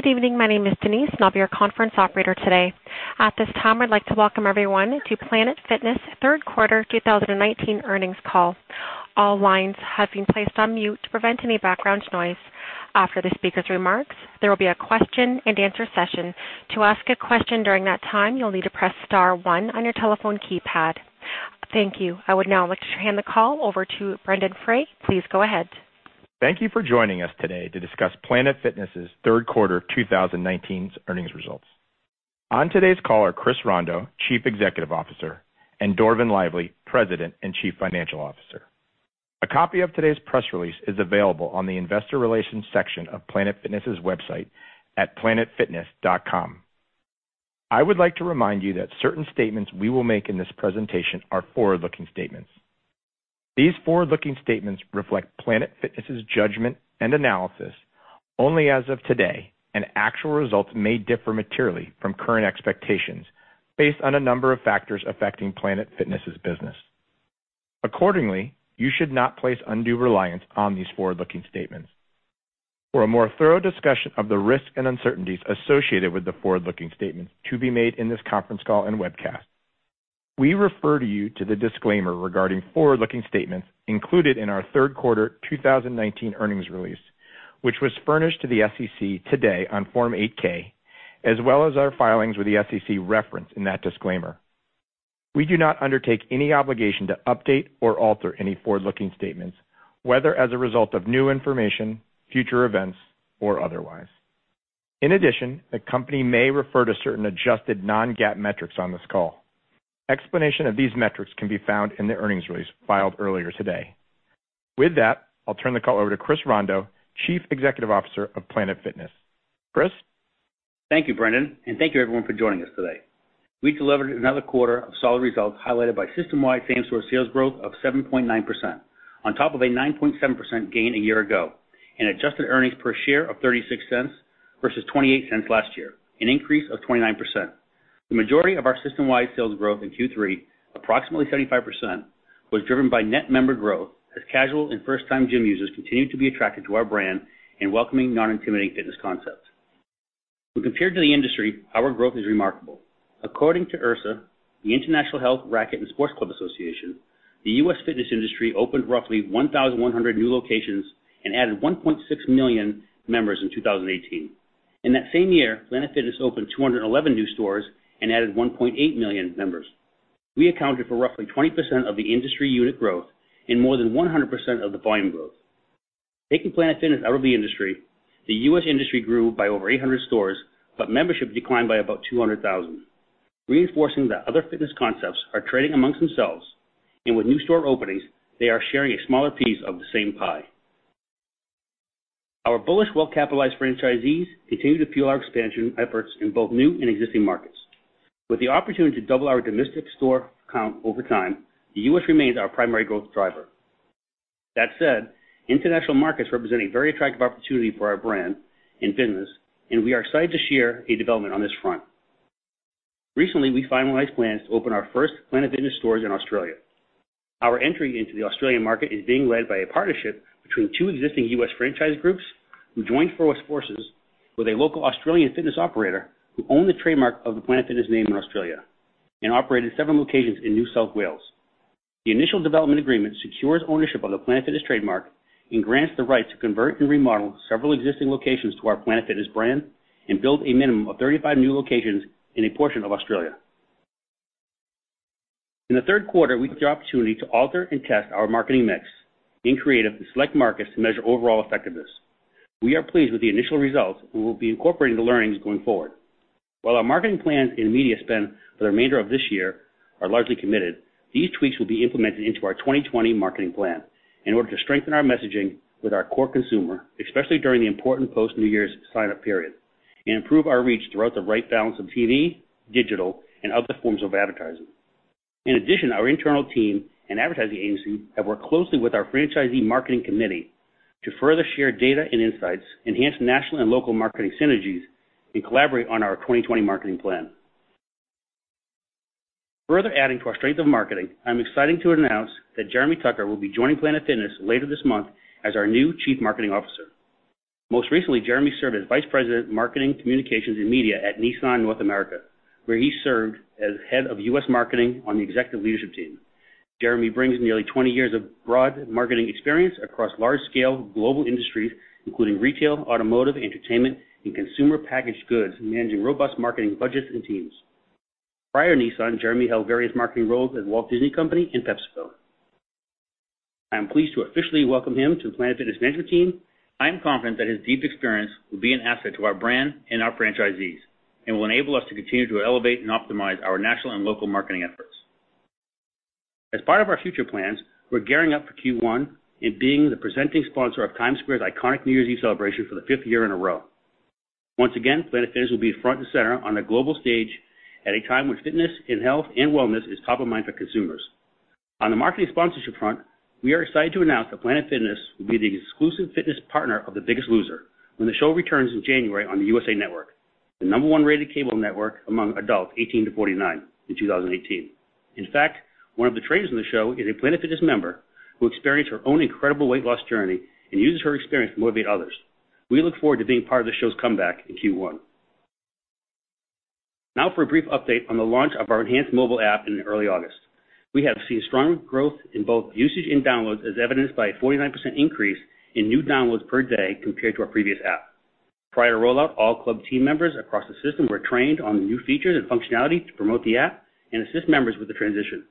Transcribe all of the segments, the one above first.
Good evening. My name is Denise, and I'll be your conference operator today. At this time, I'd like to welcome everyone to Planet Fitness' third quarter 2019 earnings call. All lines have been placed on mute to prevent any background noise. After the speaker's remarks, there will be a question and answer session. To ask a question during that time, you'll need to press star one on your telephone keypad. Thank you. I would now like to hand the call over to Brendon Frey. Please go ahead. Thank you for joining us today to discuss Planet Fitness' third quarter 2019's earnings results. On today's call are Chris Rondeau, Chief Executive Officer, and Dorvin Lively, President and Chief Financial Officer. A copy of today's press release is available on the investor relations section of Planet Fitness' website at planetfitness.com. I would like to remind you that certain statements we will make in this presentation are forward-looking statements. These forward-looking statements reflect Planet Fitness' judgment and analysis only as of today, and actual results may differ materially from current expectations based on a number of factors affecting Planet Fitness' business. Accordingly, you should not place undue reliance on these forward-looking statements. For a more thorough discussion of the risks and uncertainties associated with the forward-looking statements to be made in this conference call and webcast, we refer you to the disclaimer regarding forward-looking statements included in our third quarter 2019 earnings release, which was furnished to the SEC today on Form 8-K, as well as our filings with the SEC reference in that disclaimer. We do not undertake any obligation to update or alter any forward-looking statements, whether as a result of new information, future events, or otherwise. The company may refer to certain adjusted non-GAAP metrics on this call. Explanation of these metrics can be found in the earnings release filed earlier today. I'll turn the call over to Chris Rondeau, Chief Executive Officer of Planet Fitness. Chris? Thank you, Brendon, and thank you everyone for joining us today. We delivered another quarter of solid results highlighted by system-wide same-store sales growth of 7.9%, on top of a 9.7% gain a year ago, and adjusted earnings per share of $0.36 versus $0.28 last year, an increase of 29%. The majority of our system-wide sales growth in Q3, approximately 75%, was driven by net member growth as casual and first-time gym users continued to be attracted to our brand in welcoming, non-intimidating fitness concepts. When compared to the industry, our growth is remarkable. According to IHRSA, the International Health, Racquet & Sportsclub Association, the U.S. fitness industry opened roughly 1,100 new locations and added 1.6 million members in 2018. In that same year, Planet Fitness opened 211 new stores and added 1.8 million members. We accounted for roughly 20% of the industry unit growth and more than 100% of the volume growth. Taking Planet Fitness out of the industry, the U.S. industry grew by over 800 stores, but membership declined by about 200,000, reinforcing that other fitness concepts are trading amongst themselves, and with new store openings, they are sharing a smaller piece of the same pie. Our bullish, well-capitalized franchisees continue to fuel our expansion efforts in both new and existing markets. With the opportunity to double our domestic store count over time, the U.S. remains our primary growth driver. That said, international markets represent a very attractive opportunity for our brand in fitness, and we are excited to share a development on this front. Recently, we finalized plans to open our first Planet Fitness stores in Australia. Our entry into the Australian market is being led by a partnership between two existing U.S. franchise groups who joined forces with a local Australian fitness operator who own the trademark of the Planet Fitness name in Australia and operate in several locations in New South Wales. The initial development agreement secures ownership of the Planet Fitness trademark and grants the right to convert and remodel several existing locations to our Planet Fitness brand and build a minimum of 35 new locations in a portion of Australia. In the third quarter, we took the opportunity to alter and test our marketing mix being creative in select markets to measure overall effectiveness. We are pleased with the initial results and will be incorporating the learnings going forward. While our marketing plans and media spend for the remainder of this year are largely committed, these tweaks will be implemented into our 2020 marketing plan in order to strengthen our messaging with our core consumer, especially during the important post-New Year's sign-up period, and improve our reach throughout the right balance of TV, digital, and other forms of advertising. In addition, our internal team and advertising agency have worked closely with our franchisee marketing committee to further share data and insights, enhance national and local marketing synergies, and collaborate on our 2020 marketing plan. Further adding to our strength of marketing, I'm excited to announce that Jeremy Tucker will be joining Planet Fitness later this month as our new Chief Marketing Officer. Most recently, Jeremy served as vice president, marketing, communications, and media at Nissan North America, where he served as head of U.S. marketing on the executive leadership team. Jeremy brings nearly 20 years of broad marketing experience across large-scale global industries, including retail, automotive, entertainment, and consumer packaged goods, managing robust marketing budgets and teams. Prior to Nissan, Jeremy held various marketing roles at The Walt Disney Company and PepsiCo. I am pleased to officially welcome him to the Planet Fitness management team. I am confident that his deep experience will be an asset to our brand and our franchisees and will enable us to continue to elevate and optimize our national and local marketing efforts. As part of our future plans, we're gearing up for Q1 and being the presenting sponsor of Times Square's iconic New Year's Eve celebration for the fifth year in a row. Once again, Planet Fitness will be front and center on a global stage at a time when fitness and health and wellness is top of mind for consumers. On the marketing sponsorship front, we are excited to announce that Planet Fitness will be the exclusive fitness partner of The Biggest Loser when the show returns in January on the USA Network, the number one rated cable network among adults 18-49 in 2018. In fact, one of the trainers on the show is a Planet Fitness member who experienced her own incredible weight loss journey and uses her experience to motivate others. We look forward to being part of the show's comeback in Q1. Now for a brief update on the launch of our enhanced mobile app in early August. We have seen strong growth in both usage and downloads, as evidenced by a 49% increase in new downloads per day compared to our previous app. Prior to rollout, all club team members across the system were trained on the new features and functionality to promote the app and assist members with the transition.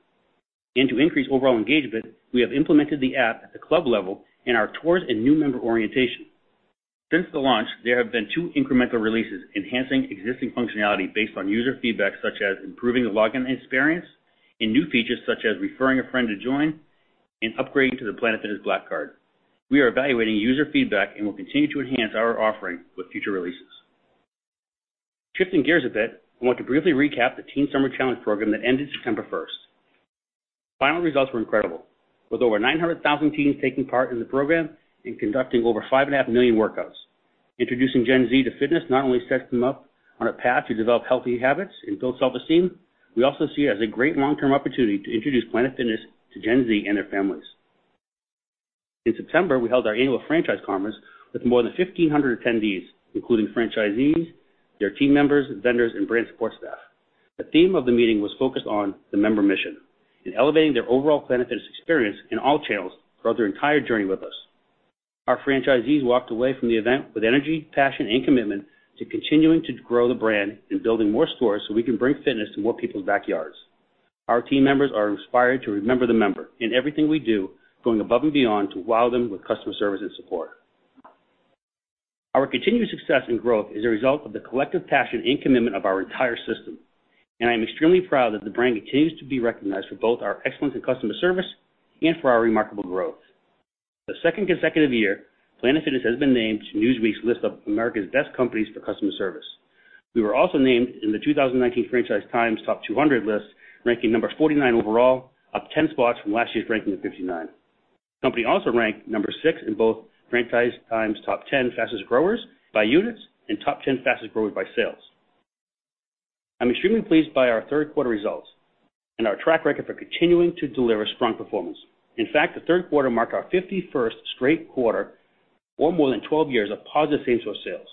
To increase overall engagement, we have implemented the app at the club level in our tours and new member orientation. Since the launch, there have been two incremental releases enhancing existing functionality based on user feedback, such as improving the login experience and new features such as referring a friend to join and upgrading to the Planet Fitness Black Card. We are evaluating user feedback and will continue to enhance our offering with future releases. Shifting gears a bit, I want to briefly recap the Teen Summer Challenge program that ended September 1st. Final results were incredible, with over 900,000 teens taking part in the program and conducting over five and a half million workouts. Introducing Gen Z to fitness not only sets them up on a path to develop healthy habits and build self-esteem, we also see it as a great long-term opportunity to introduce Planet Fitness to Gen Z and their families. In September, we held our annual franchise conference with more than 1,500 attendees, including franchisees, their team members, vendors, and brand support staff. The theme of the meeting was focused on the member mission and elevating their overall Planet Fitness experience in all channels throughout their entire journey with us. Our franchisees walked away from the event with energy, passion, and commitment to continuing to grow the brand and building more stores so we can bring fitness to more people's backyards. Our team members are inspired to remember the member in everything we do, going above and beyond to wow them with customer service and support. Our continued success and growth is a result of the collective passion and commitment of our entire system, and I am extremely proud that the brand continues to be recognized for both our excellence in customer service and for our remarkable growth. For the second consecutive year, Planet Fitness has been named to Newsweek's list of America's Best Companies for Customer Service. We were also named in the 2019 Franchise Times Top 200 list, ranking number 49 overall, up 10 spots from last year's ranking of 59. The company also ranked number 6 in both Franchise Times Top 10 Fastest Growers by units and Top 10 Fastest Growers by sales. I'm extremely pleased by our third quarter results and our track record for continuing to deliver strong performance. The third quarter marked our 51st straight quarter or more than 12 years of positive same-store sales.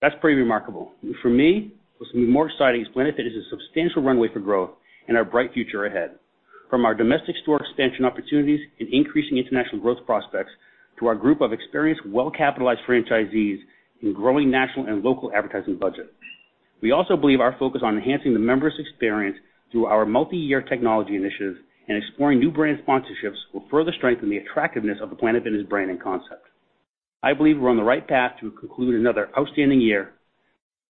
That's pretty remarkable. For me, what's even more exciting is Planet Fitness' substantial runway for growth and our bright future ahead. From our domestic store expansion opportunities and increasing international growth prospects, to our group of experienced, well-capitalized franchisees, and growing national and local advertising budget. We also believe our focus on enhancing the members' experience through our multi-year technology initiatives and exploring new brand sponsorships will further strengthen the attractiveness of the Planet Fitness brand and concept. I believe we're on the right path to conclude another outstanding year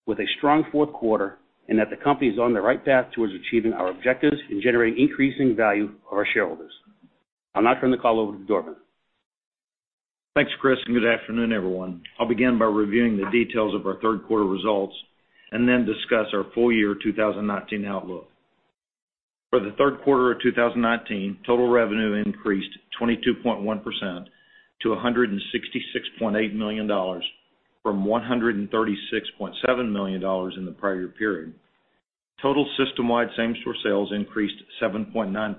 with a strong fourth quarter and that the company is on the right path towards achieving our objectives and generating increasing value for our shareholders. I'll now turn the call over to Dorvin. Thanks, Chris, good afternoon, everyone. I'll begin by reviewing the details of our third quarter results and then discuss our full year 2019 outlook. For the third quarter of 2019, total revenue increased 22.1% to $166.8 million from $136.7 million in the prior year period. Total system-wide same-store sales increased 7.9%.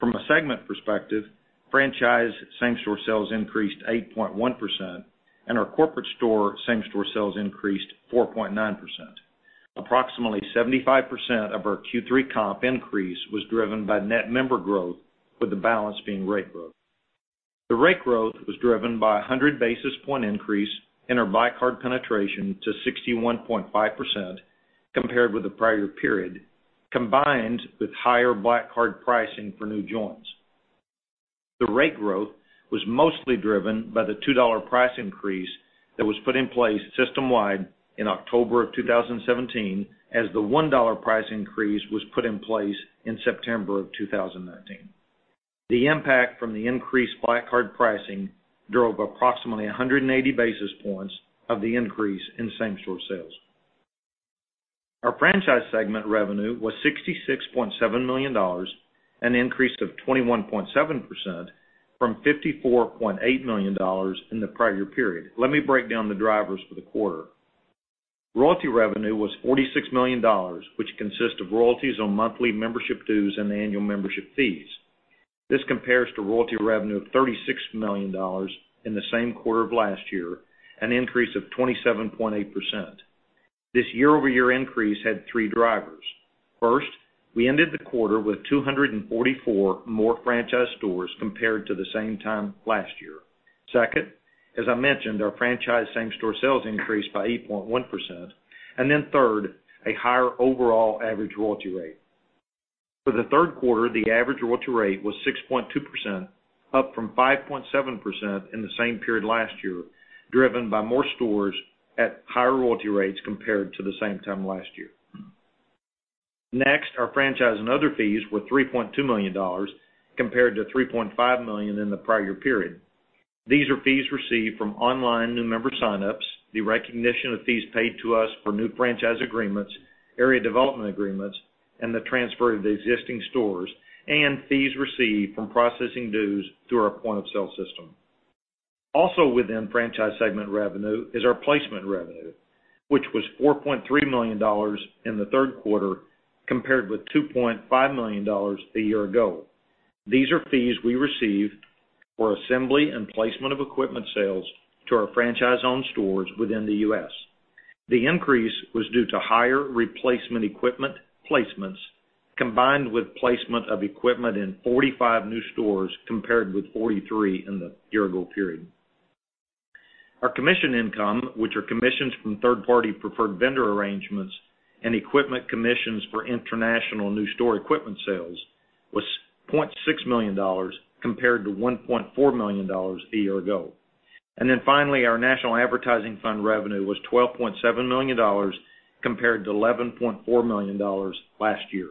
From a segment perspective, franchise same-store sales increased 8.1%, and our corporate store same-store sales increased 4.9%. Approximately 75% of our Q3 comp increase was driven by net member growth, with the balance being rate growth. The rate growth was driven by 100 basis point increase in our Black Card penetration to 61.5% compared with the prior period, combined with higher Black Card pricing for new joins. The rate growth was mostly driven by the $2 price increase that was put in place system-wide in October of 2017, as the $1 price increase was put in place in September of 2019. The impact from the increased Black Card pricing drove approximately 180 basis points of the increase in same-store sales. Our franchise segment revenue was $66.7 million, an increase of 21.7% from $54.8 million in the prior year period. Let me break down the drivers for the quarter. Royalty revenue was $46 million, which consists of royalties on monthly membership dues and annual membership fees. This compares to royalty revenue of $36 million in the same quarter of last year, an increase of 27.8%. This year-over-year increase had three drivers. First, we ended the quarter with 244 more franchise stores compared to the same time last year. Second, as I mentioned, our franchise same-store sales increased by 8.1%. Third, a higher overall average royalty rate. For the third quarter, the average royalty rate was 6.2%, up from 5.7% in the same period last year, driven by more stores at higher royalty rates compared to the same time last year. Next, our franchise and other fees were $3.2 million, compared to $3.5 million in the prior period. These are fees received from online new member sign-ups, the recognition of fees paid to us for new franchise agreements, area development agreements. The transfer to the existing stores and fees received from processing dues through our point-of-sale system. Also within franchise segment revenue is our placement revenue, which was $4.3 million in the third quarter, compared with $2.5 million a year ago. These are fees we receive for assembly and placement of equipment sales to our franchise-owned stores within the U.S. The increase was due to higher replacement equipment placements, combined with placement of equipment in 45 new stores, compared with 43 in the year-ago period. Our commission income, which are commissions from third party preferred vendor arrangements and equipment commissions for international new store equipment sales, was $0.6 million compared to $1.4 million a year ago. Finally, our National Advertising Fund revenue was $12.7 million compared to $11.4 million last year.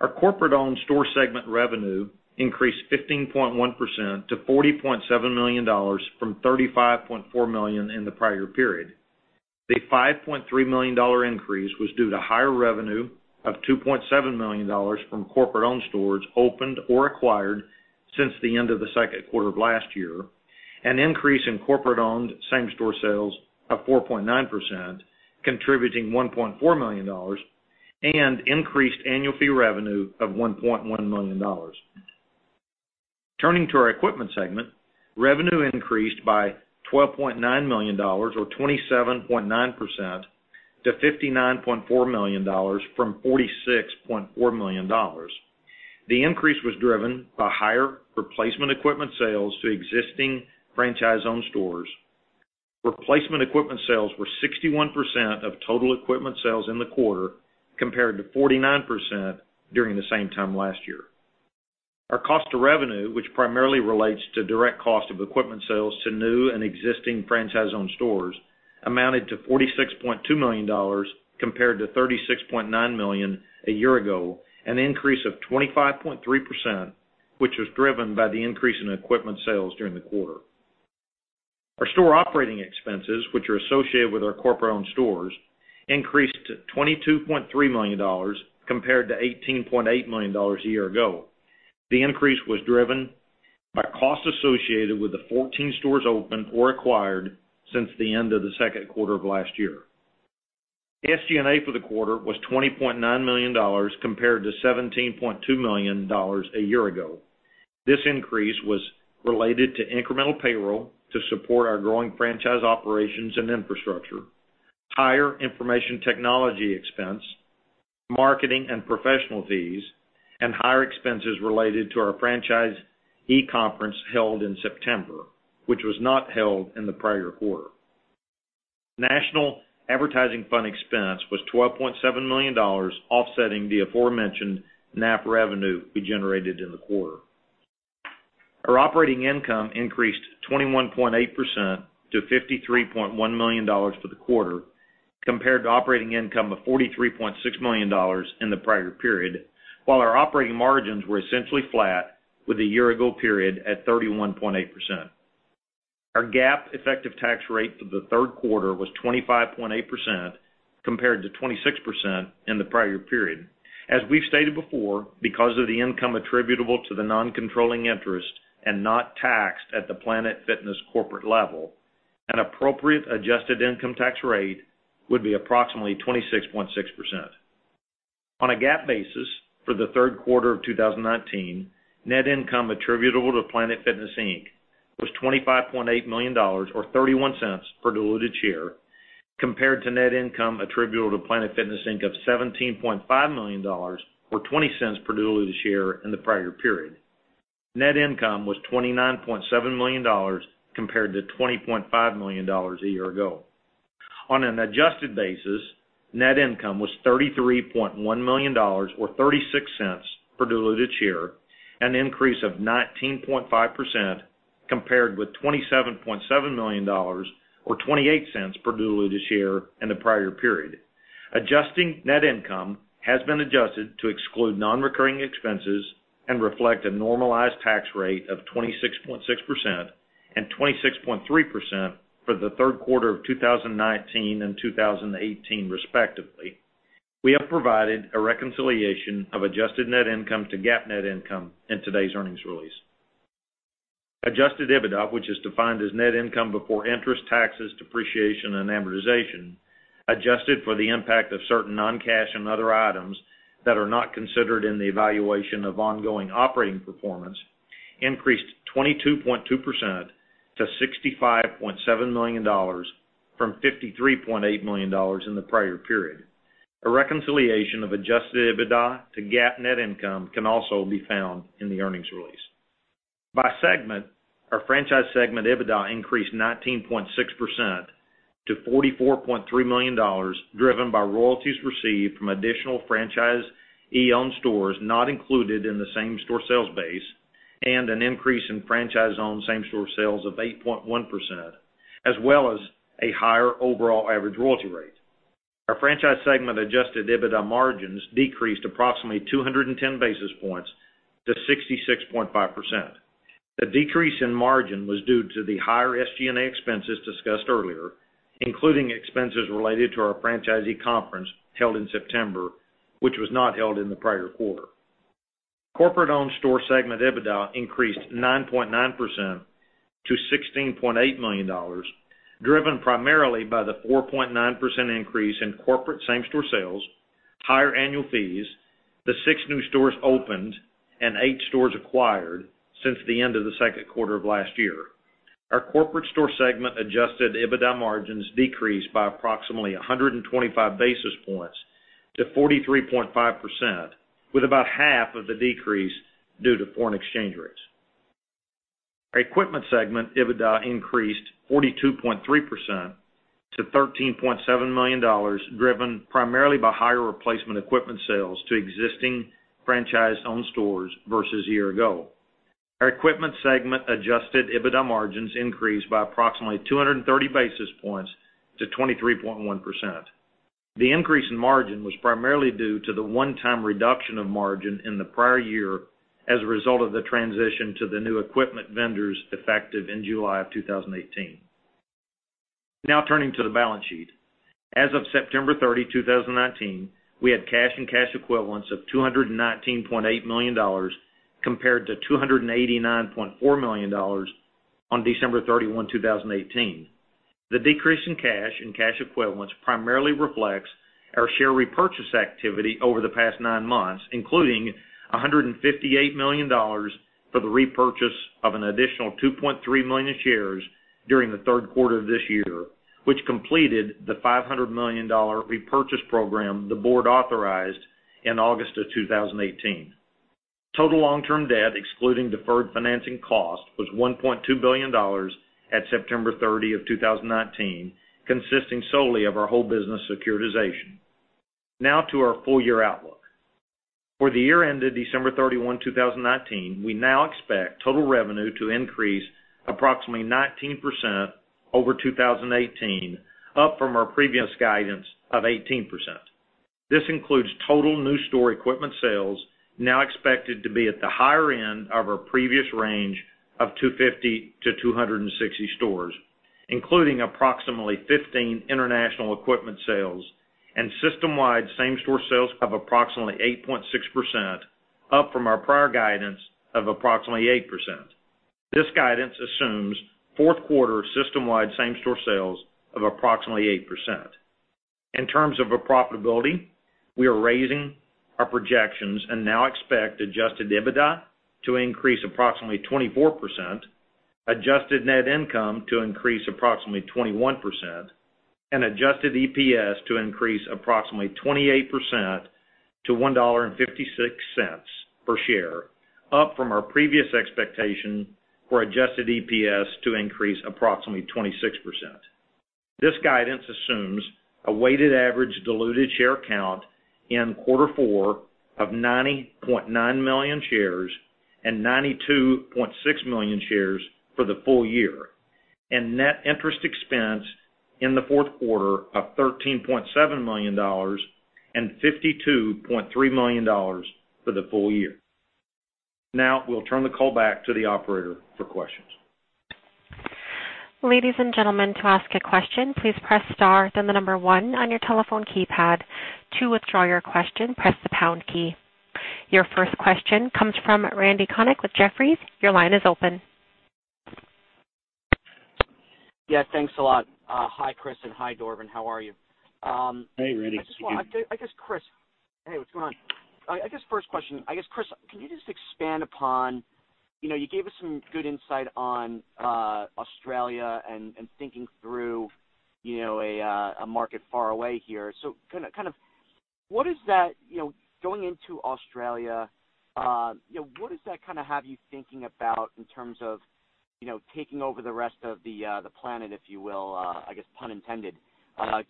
Our Corporate-Owned Store Segment revenue increased 15.1% to $40.7 million from $35.4 million in the prior period. The $5.3 million increase was due to higher revenue of $2.7 million from corporate-owned stores opened or acquired since the end of the second quarter of last year, an increase in corporate-owned same-store sales of 4.9%, contributing $1.4 million, and increased annual fee revenue of $1.1 million. Turning to our equipment segment, revenue increased by $12.9 million, or 27.9%, to $59.4 million from $46.4 million. The increase was driven by higher replacement equipment sales to existing franchise-owned stores. Replacement equipment sales were 61% of total equipment sales in the quarter, compared to 49% during the same time last year. Our cost of revenue, which primarily relates to direct cost of equipment sales to new and existing franchise-owned stores, amounted to $46.2 million, compared to $36.9 million a year ago, an increase of 25.3%, which was driven by the increase in equipment sales during the quarter. Our store operating expenses, which are associated with our corporate-owned stores, increased to $22.3 million, compared to $18.8 million a year ago. The increase was driven by costs associated with the 14 stores opened or acquired since the end of the second quarter of last year. SG&A for the quarter was $20.9 million, compared to $17.2 million a year ago. This increase was related to incremental payroll to support our growing franchise operations and infrastructure, higher information technology expense, marketing and professional fees, and higher expenses related to our franchise e-conference held in September, which was not held in the prior quarter. National advertising fund expense was $12.7 million, offsetting the aforementioned NAF revenue we generated in the quarter. Our operating income increased 21.8% to $53.1 million for the quarter, compared to operating income of $43.6 million in the prior period, while our operating margins were essentially flat with the year-ago period at 31.8%. Our GAAP effective tax rate for the third quarter was 25.8%, compared to 26% in the prior period. As we've stated before, because of the income attributable to the non-controlling interest and not taxed at the Planet Fitness corporate level, an appropriate adjusted income tax rate would be approximately 26.6%. On a GAAP basis for the third quarter of 2019, net income attributable to Planet Fitness, Inc. was $25.8 million, or $0.31 per diluted share, compared to net income attributable to Planet Fitness, Inc. of $17.5 million, or $0.20 per diluted share in the prior period. Net income was $29.7 million, compared to $20.5 million a year ago. On an adjusted basis, net income was $33.1 million, or $0.36 per diluted share, an increase of 19.5%, compared with $27.7 million or $0.28 per diluted share in the prior period. Adjusting net income has been adjusted to exclude non-recurring expenses and reflect a normalized tax rate of 26.6% and 26.3% for the third quarter of 2019 and 2018, respectively. We have provided a reconciliation of adjusted net income to GAAP net income in today's earnings release. Adjusted EBITDA, which is defined as net income before interest, taxes, depreciation, and amortization, adjusted for the impact of certain non-cash and other items that are not considered in the evaluation of ongoing operating performance, increased 22.2% to $65.7 million from $53.8 million in the prior period. A reconciliation of adjusted EBITDA to GAAP net income can also be found in the earnings release. By segment, our franchise segment EBITDA increased 19.6% to $44.3 million, driven by royalties received from additional franchisee-owned stores not included in the same-store sales base and an increase in franchise-owned same-store sales of 8.1%, as well as a higher overall average royalty rate. Our franchise segment adjusted EBITDA margins decreased approximately 210 basis points to 66.5%. The decrease in margin was due to the higher SG&A expenses discussed earlier, including expenses related to our franchisee conference held in September, which was not held in the prior quarter. Corporate owned store segment EBITDA increased 9.9% to $16.8 million, driven primarily by the 4.9% increase in corporate same-store sales, higher annual fees, the six new stores opened, and eight stores acquired since the end of the second quarter of last year. Our corporate store segment adjusted EBITDA margins decreased by approximately 125 basis points to 43.5%, with about half of the decrease due to foreign exchange rates. Our equipment segment EBITDA increased 42.3% to $13.7 million, driven primarily by higher replacement equipment sales to existing franchise-owned stores versus a year ago. Our equipment segment adjusted EBITDA margins increased by approximately 230 basis points to 23.1%. The increase in margin was primarily due to the one-time reduction of margin in the prior year as a result of the transition to the new equipment vendors effective in July of 2018. Now, turning to the balance sheet. As of September 30, 2019, we had cash and cash equivalents of $219.8 million compared to $289.4 million on December 31, 2018. The decrease in cash and cash equivalents primarily reflects our share repurchase activity over the past nine months, including $158 million for the repurchase of an additional 2.3 million shares during the third quarter of this year, which completed the $500 million repurchase program the board authorized in August of 2018. Total long-term debt, excluding deferred financing cost, was $1.2 billion at September 30 of 2019, consisting solely of our whole business securitization. To our full year outlook. For the year ended December 31, 2019, we now expect total revenue to increase approximately 19% over 2018, up from our previous guidance of 18%. This includes total new store equipment sales now expected to be at the higher end of our previous range of 250 to 260 stores, including approximately 15 international equipment sales and system-wide same-store sales of approximately 8.6%, up from our prior guidance of approximately 8%. This guidance assumes fourth quarter system-wide same-store sales of approximately 8%. In terms of our profitability, we are raising our projections and now expect adjusted EBITDA to increase approximately 24%, adjusted net income to increase approximately 21%, and adjusted EPS to increase approximately 28% to $1.56 per share, up from our previous expectation for adjusted EPS to increase approximately 26%. This guidance assumes a weighted average diluted share count in quarter four of 90.9 million shares and 92.6 million shares for the full year, and net interest expense in the fourth quarter of $13.7 million and $52.3 million for the full year. We'll turn the call back to the operator for questions. Ladies and gentlemen, to ask a question, please press star then the number 1 on your telephone keypad. To withdraw your question, press the pound key. Your first question comes from Randy Konik with Jefferies. Your line is open. Yeah, thanks a lot. Hi, Chris, and hi, Dorvin. How are you? Hey, Randy. Hey, what's going on? I guess first question, Chris, can you just expand upon, you gave us some good insight on Australia and thinking through a market far away here. Going into Australia, what does that kind of have you thinking about in terms of taking over the rest of the Planet, if you will, I guess pun intended.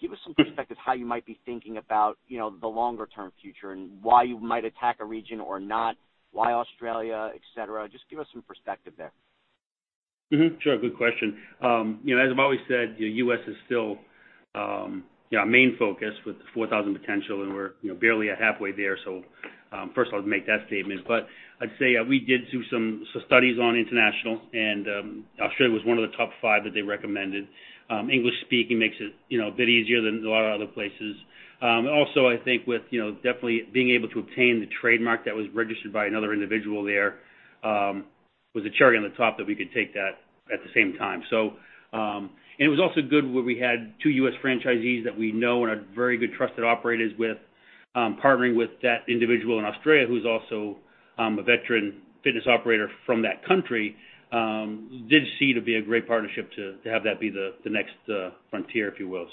Give us some perspective how you might be thinking about the longer-term future and why you might attack a region or not, why Australia, et cetera. Just give us some perspective there. Sure. Good question. As I've always said, U.S. is still our main focus with the 4,000 potential, and we're barely at halfway there. First of all, I'd make that statement. I'd say we did do some studies on international, and Australia was one of the top 5 that they recommended. English speaking makes it a bit easier than a lot of other places. I think with definitely being able to obtain the trademark that was registered by another individual there, was a cherry on the top that we could take that at the same time. And it was also good where we had two U.S. franchisees that we know and are very good trusted operators with, partnering with that individual in Australia, who's also a veteran fitness operator from that country, did seem to be a great partnership to have that be the next frontier, if you will.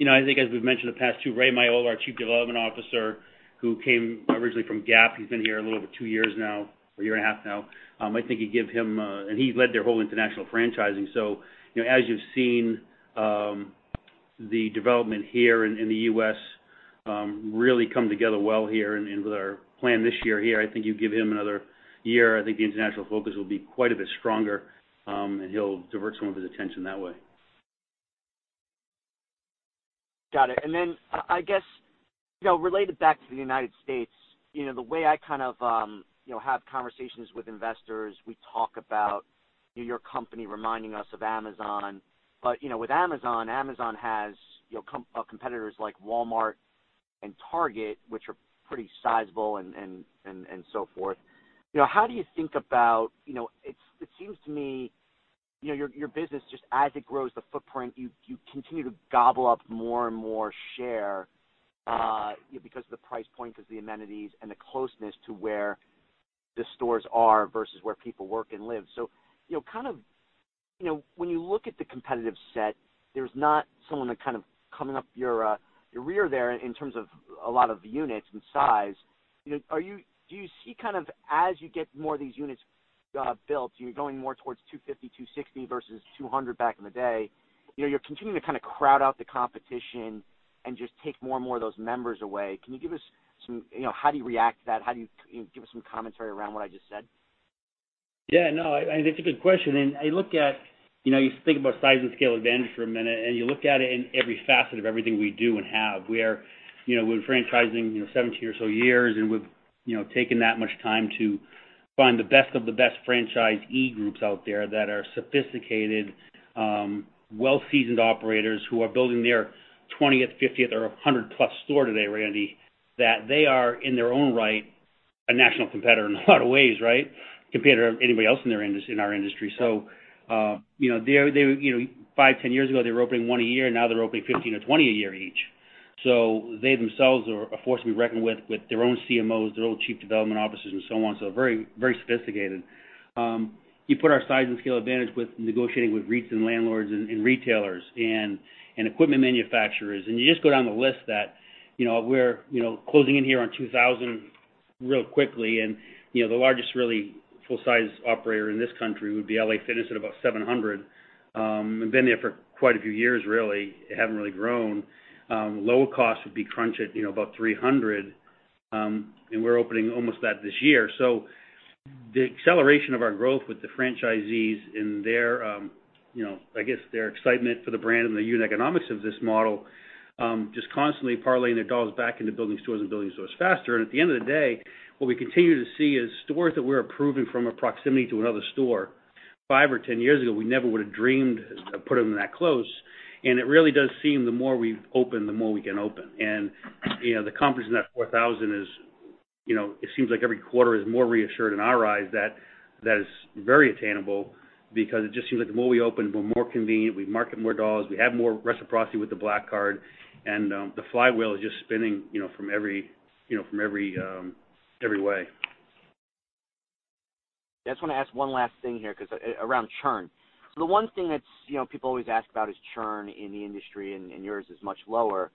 I think as we've mentioned in the past, too, Ray Miolla, our Chief Development Officer, who came originally from Gap, he's been here a little over two years now, or a year and a half now. He led their whole international franchising. As you've seen, the development here in the U.S. really come together well here and with our plan this year here. I think you give him another year, I think the international focus will be quite a bit stronger, and he'll divert some of his attention that way. Got it. I guess, related back to the U.S., the way I have conversations with investors, we talk about your company reminding us of Amazon. With Amazon has competitors like Walmart and Target, which are pretty sizable and so forth. How do you think about it seems to me, your business, just as it grows the footprint, you continue to gobble up more and more share, because of the price point, because the amenities and the closeness to where the stores are versus where people work and live? When you look at the competitive set, there's not someone that coming up your rear there in terms of a lot of units and size. Do you see as you get more of these units built, you're going more towards 250, 260 versus 200 back in the day, you're continuing to crowd out the competition and just take more and more of those members away. How do you react to that? Give us some commentary around what I just said. Yeah, no, I think it's a good question. I look at, you think about size and scale advantage for a minute, and you look at it in every facet of everything we do and have. We're franchising 17 or so years, and we've taken that much time to find the best of the best franchisee groups out there that are sophisticated, well-seasoned operators who are building their 20th, 50th or 100-plus store today, Randy Konik, that they are in their own right, a national competitor in a lot of ways, right, compared to anybody else in our industry. Five, 10 years ago, they were opening one a year. Now they're opening 15 or 20 a year each. They themselves are a force to be reckoned with their own CMOs, their own Chief Development Officers and so on, very, very sophisticated. You put our size and scale advantage with negotiating with REITs and landlords and retailers and equipment manufacturers. You just go down the list that we're closing in here on 2,000 real quickly. The largest really full-size operator in this country would be LA Fitness at about 700. They've been there for quite a few years, really. They haven't grown. Lower cost would be Crunch at about 300. We're opening almost that this year. The acceleration of our growth with the franchisees and their excitement for the brand and the unit economics of this model, just constantly parlaying their dollars back into building stores and building stores faster. At the end of the day, what we continue to see is stores that we're approving from a proximity to another store. Five or 10 years ago, we never would've dreamed of putting them that close, and it really does seem the more we open, the more we can open. The confidence in that 4,000 is, it seems like every quarter is more reassured in our eyes that that is very attainable because it just seems like the more we open, we're more convenient, we market more dollars, we have more reciprocity with the Black Card, and the flywheel is just spinning from every way. Yeah. I just want to ask one last thing here, around churn. The one thing that people always ask about is churn in the industry, and yours is much lower.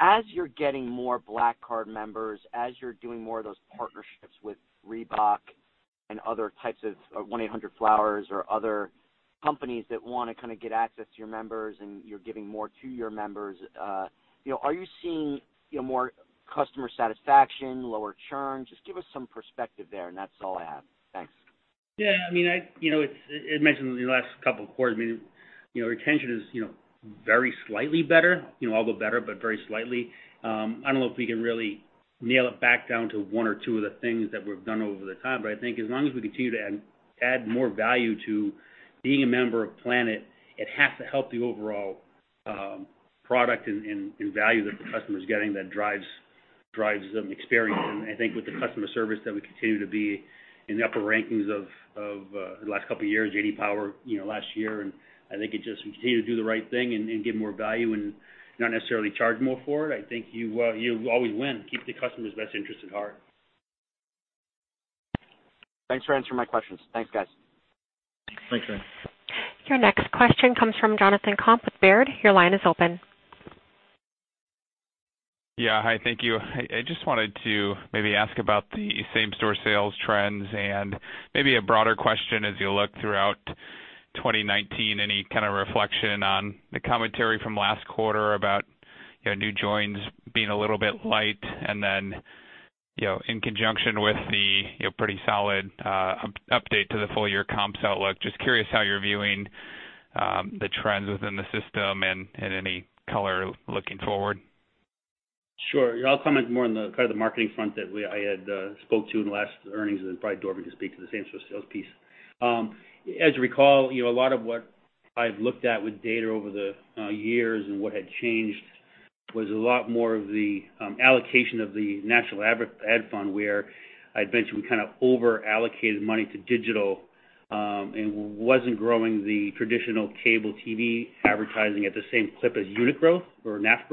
As you're getting more Black Card members, as you're doing more of those partnerships with Reebok and other types of 1-800-Flowers or other companies that want to get access to your members, and you're giving more to your members, are you seeing more customer satisfaction, lower churn? Just give us some perspective there, and that's all I have. Thanks. As mentioned in the last couple of quarters, retention is very slightly better, although better, but very slightly. I don't know if we can really nail it back down to one or two of the things that we've done over the time, but I think as long as we continue to add more value to being a member of Planet, it has to help the overall product and value that the customer's getting that drives their experience. I think with the customer service that we continue to be in the upper rankings of the last couple of years, J.D. Power last year, I think it's just we continue to do the right thing and give more value and not necessarily charge more for it. I think you always win. Keep the customer's best interest at heart. Thanks for answering my questions. Thanks, guys. Thanks, Randy. Your next question comes from Jonathan Komp with Robert W. Baird. Your line is open. Yeah. Hi, thank you. I just wanted to maybe ask about the same-store sales trends and maybe a broader question as you look throughout 2019, any kind of reflection on the commentary from last quarter about new joins being a little bit light and then in conjunction with the pretty solid update to the full year comps outlook. Just curious how you're viewing the trends within the system and any color looking forward. Sure. I'll comment more on the kind of the marketing front that I had spoke to in the last earnings and probably Dorvin can speak to the same sort of sales piece. As you recall, a lot of what I've looked at with data over the years and what had changed was a lot more of the allocation of the National Ad Fund, where I'd mentioned we kind of over-allocated money to digital, and wasn't growing the traditional cable TV advertising at the same clip as unit growth or NAF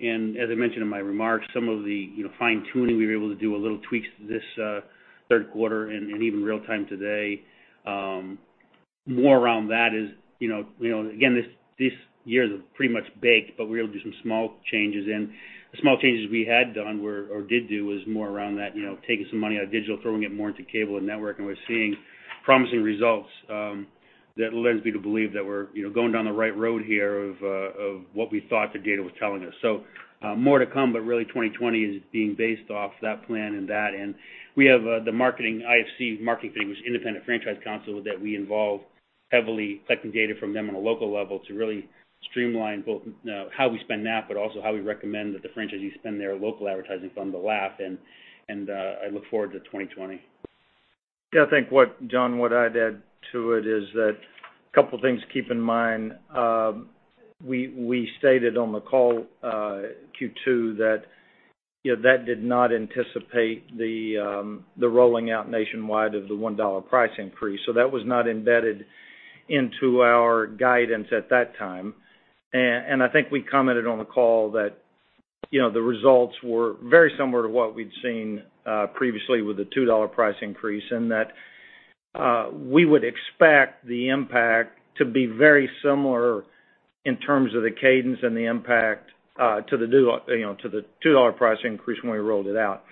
growth. As I mentioned in my remarks, some of the fine-tuning, we were able to do a little tweaks this third quarter and even real time today. More around that is, again, this year is pretty much baked, but we're able to do some small changes in. The small changes we had done or did do was more around that taking some money out of digital, throwing it more into cable and network. We're seeing promising results that lends me to believe that we're going down the right road here of what we thought the data was telling us. More to come, really 2020 is being based off that plan and that end. We have the marketing IFC, Marketing Things, Independent Franchisee Council, that we involve heavily collecting data from them on a local level to really streamline both how we spend that, but also how we recommend that the franchisees spend their local advertising fund, the LAF. I look forward to 2020. Yeah, I think, John, what I'd add to it is that a couple of things to keep in mind. We stated on the call Q2 that did not anticipate the rolling out nationwide of the $1 price increase. So that was not embedded into our guidance at that time. And I think we commented on the call that the results were very similar to what we'd seen previously with the $2 price increase, and that we would expect the impact to be very similar in terms of the cadence and the impact to the $2 price increase when we rolled it out.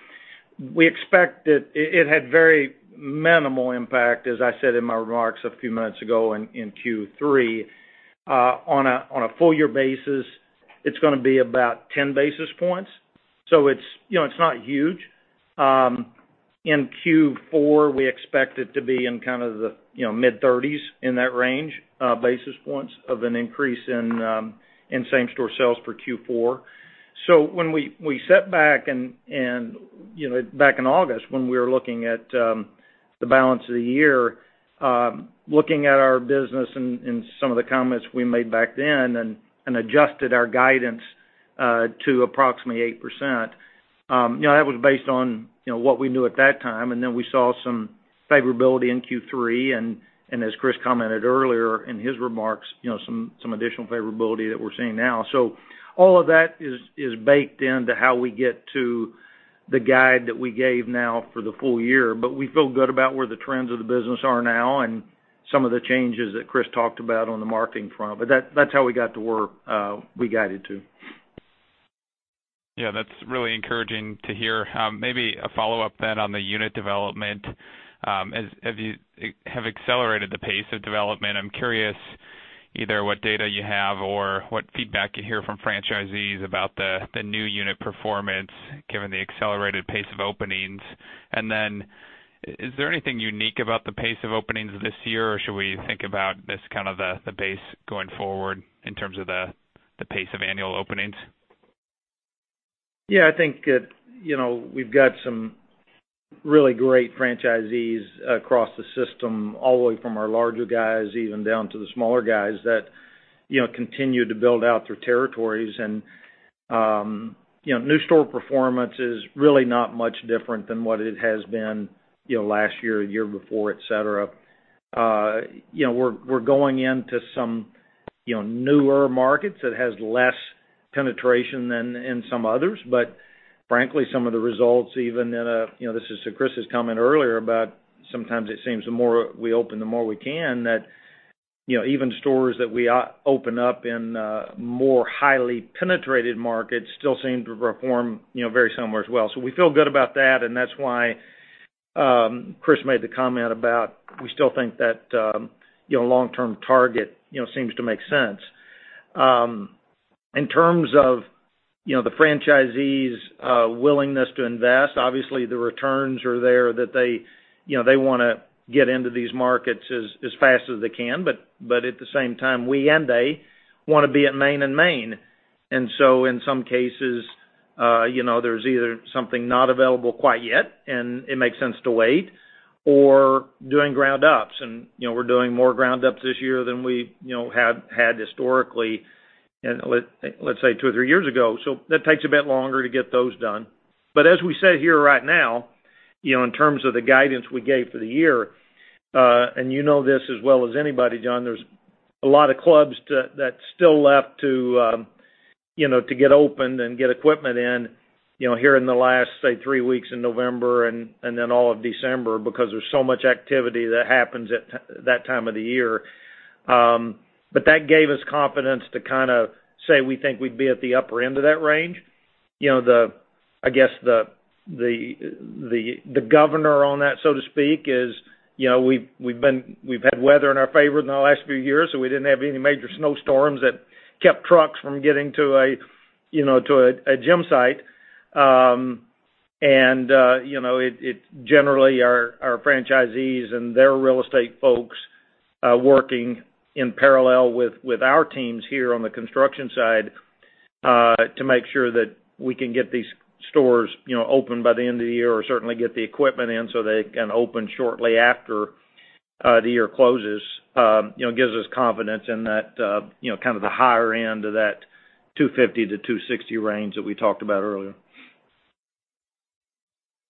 We expect that it had very minimal impact, as I said in my remarks a few minutes ago in Q3. On a full year basis, it's going to be about 10 basis points. So it's not huge. In Q4, we expect it to be in the mid-30s, in that range basis points of an increase in same-store sales for Q4. When we sat back in August, when we were looking at the balance of the year, looking at our business and some of the comments we made back then, adjusted our guidance to approximately 8%, that was based on what we knew at that time. We saw some favorability in Q3, as Chris commented earlier in his remarks, some additional favorability that we're seeing now. All of that is baked into how we get to the guide that we gave now for the full year. We feel good about where the trends of the business are now and some of the changes that Chris talked about on the marketing front. That's how we got to where we guided to. Yeah, that's really encouraging to hear. Maybe a follow-up then on the unit development. As you have accelerated the pace of development, I'm curious either what data you have or what feedback you hear from franchisees about the new unit performance, given the accelerated pace of openings. Is there anything unique about the pace of openings this year, or should we think about this as the pace going forward in terms of the pace of annual openings? Yeah, I think we've got some really great franchisees across the system, all the way from our larger guys, even down to the smaller guys that continue to build out their territories. New store performance is really not much different than what it has been last year or the year before, et cetera. We're going into some newer markets that has less penetration than in some others. Frankly, some of the results, this is to Chris' comment earlier about sometimes it seems the more we open, the more we can, that even stores that we open up in more highly penetrated markets still seem to perform very similar as well. We feel good about that, and that's why Chris made the comment about, we still think that long-term target seems to make sense. In terms of the franchisees' willingness to invest, obviously, the returns are there that they want to get into these markets as fast as they can. At the same time, we and they want to be at main and main. In some cases, there's either something not available quite yet, and it makes sense to wait or doing ground ups. We're doing more ground ups this year than we had historically, let's say two or three years ago. That takes a bit longer to get those done. As we sit here right now, in terms of the guidance we gave for the year, and you know this as well as anybody, John, there's a lot of clubs that's still left to get opened and get equipment in here in the last, say, three weeks in November and then all of December because there's so much activity that happens at that time of the year. That gave us confidence to say we think we'd be at the upper end of that range. I guess the governor on that, so to speak, is we've had weather in our favor in the last few years, so we didn't have any major snowstorms that kept trucks from getting to a gym site. Generally, our franchisees and their real estate folks are working in parallel with our teams here on the construction side to make sure that we can get these stores opened by the end of the year or certainly get the equipment in so they can open shortly after the year closes. It gives us confidence in that the higher end of that 250-260 range that we talked about earlier.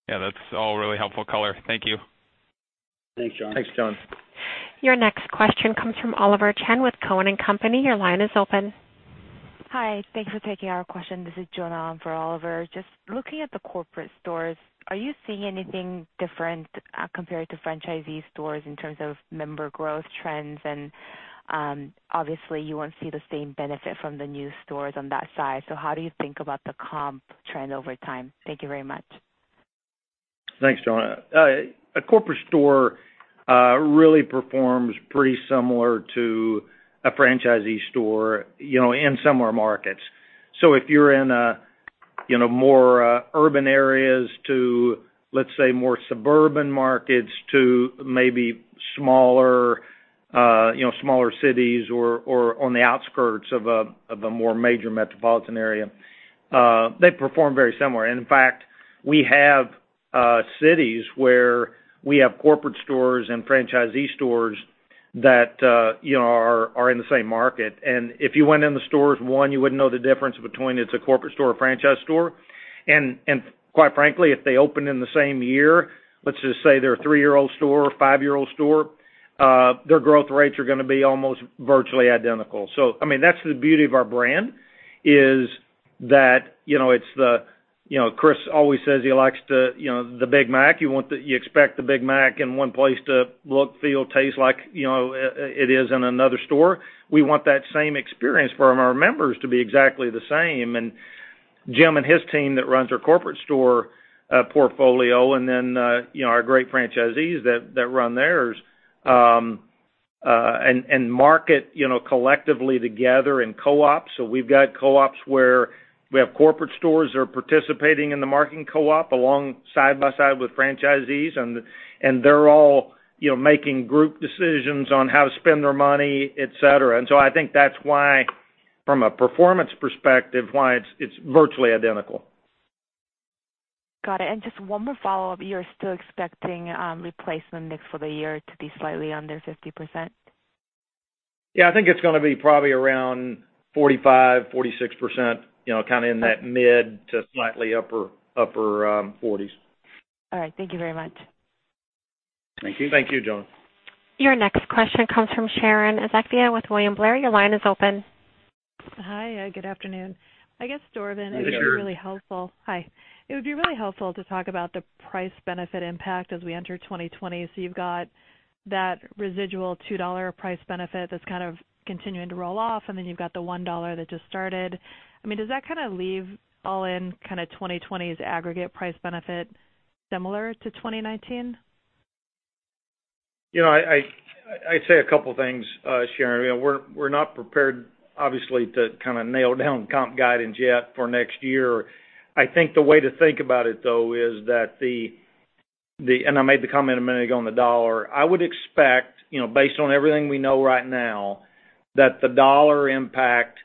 Yeah, that's all really helpful color. Thank you. Thanks, John. Thanks, John. Your next question comes from Oliver Chen with Cowen and Company. Your line is open. Hi, thanks for taking our question. This is Joan for Oliver. Just looking at the corporate stores, are you seeing anything different compared to franchisee stores in terms of member growth trends? Obviously, you won't see the same benefit from the new stores on that side. How do you think about the comp trend over time? Thank you very much. Thanks, Joan. A corporate store really performs pretty similar to a franchisee store in similar markets. If you're in More urban areas to, let's say, more suburban markets to maybe smaller cities or on the outskirts of a more major metropolitan area. They perform very similar. In fact, we have cities where we have corporate stores and franchisee stores that are in the same market. If you went in the stores, one, you wouldn't know the difference between it's a corporate store or franchise store. Quite frankly, if they opened in the same year, let's just say they're a three-year-old store or five-year-old store, their growth rates are going to be almost virtually identical. That's the beauty of our brand, is that Chris always says he likes the Big Mac. You expect the Big Mac in one place to look, feel, taste like it is in another store. We want that same experience from our members to be exactly the same. Jim and his team that runs our corporate store portfolio, and then our great franchisees that run theirs, and market collectively together in co-ops. We've got co-ops where we have corporate stores that are participating in the marketing co-op along side by side with franchisees, and they're all making group decisions on how to spend their money, et cetera. I think that's why from a performance perspective, why it's virtually identical. Got it. Just one more follow-up. You're still expecting replacement mix for the year to be slightly under 50%? Yeah, I think it's going to be probably around 45%, 46%, kind of in that mid to slightly upper 40s. All right. Thank you very much. Thank you. Thank you, Joan. Your next question comes from Sharon Zackfia with William Blair. Your line is open. Hi. Good afternoon. I guess, Dorvin- Hey, Sharon. Hi. It would be really helpful to talk about the price benefit impact as we enter 2020. You've got that residual $2 price benefit that's kind of continuing to roll off, and then you've got the $1 that just started. Does that kind of leave all in kind of 2020's aggregate price benefit similar to 2019? I'd say a couple things, Sharon. We're not prepared, obviously, to kind of nail down comp guidance yet for next year. I think the way to think about it, though, is that and I made the comment a minute ago on the dollar. I would expect, based on everything we know right now, that the dollar impact,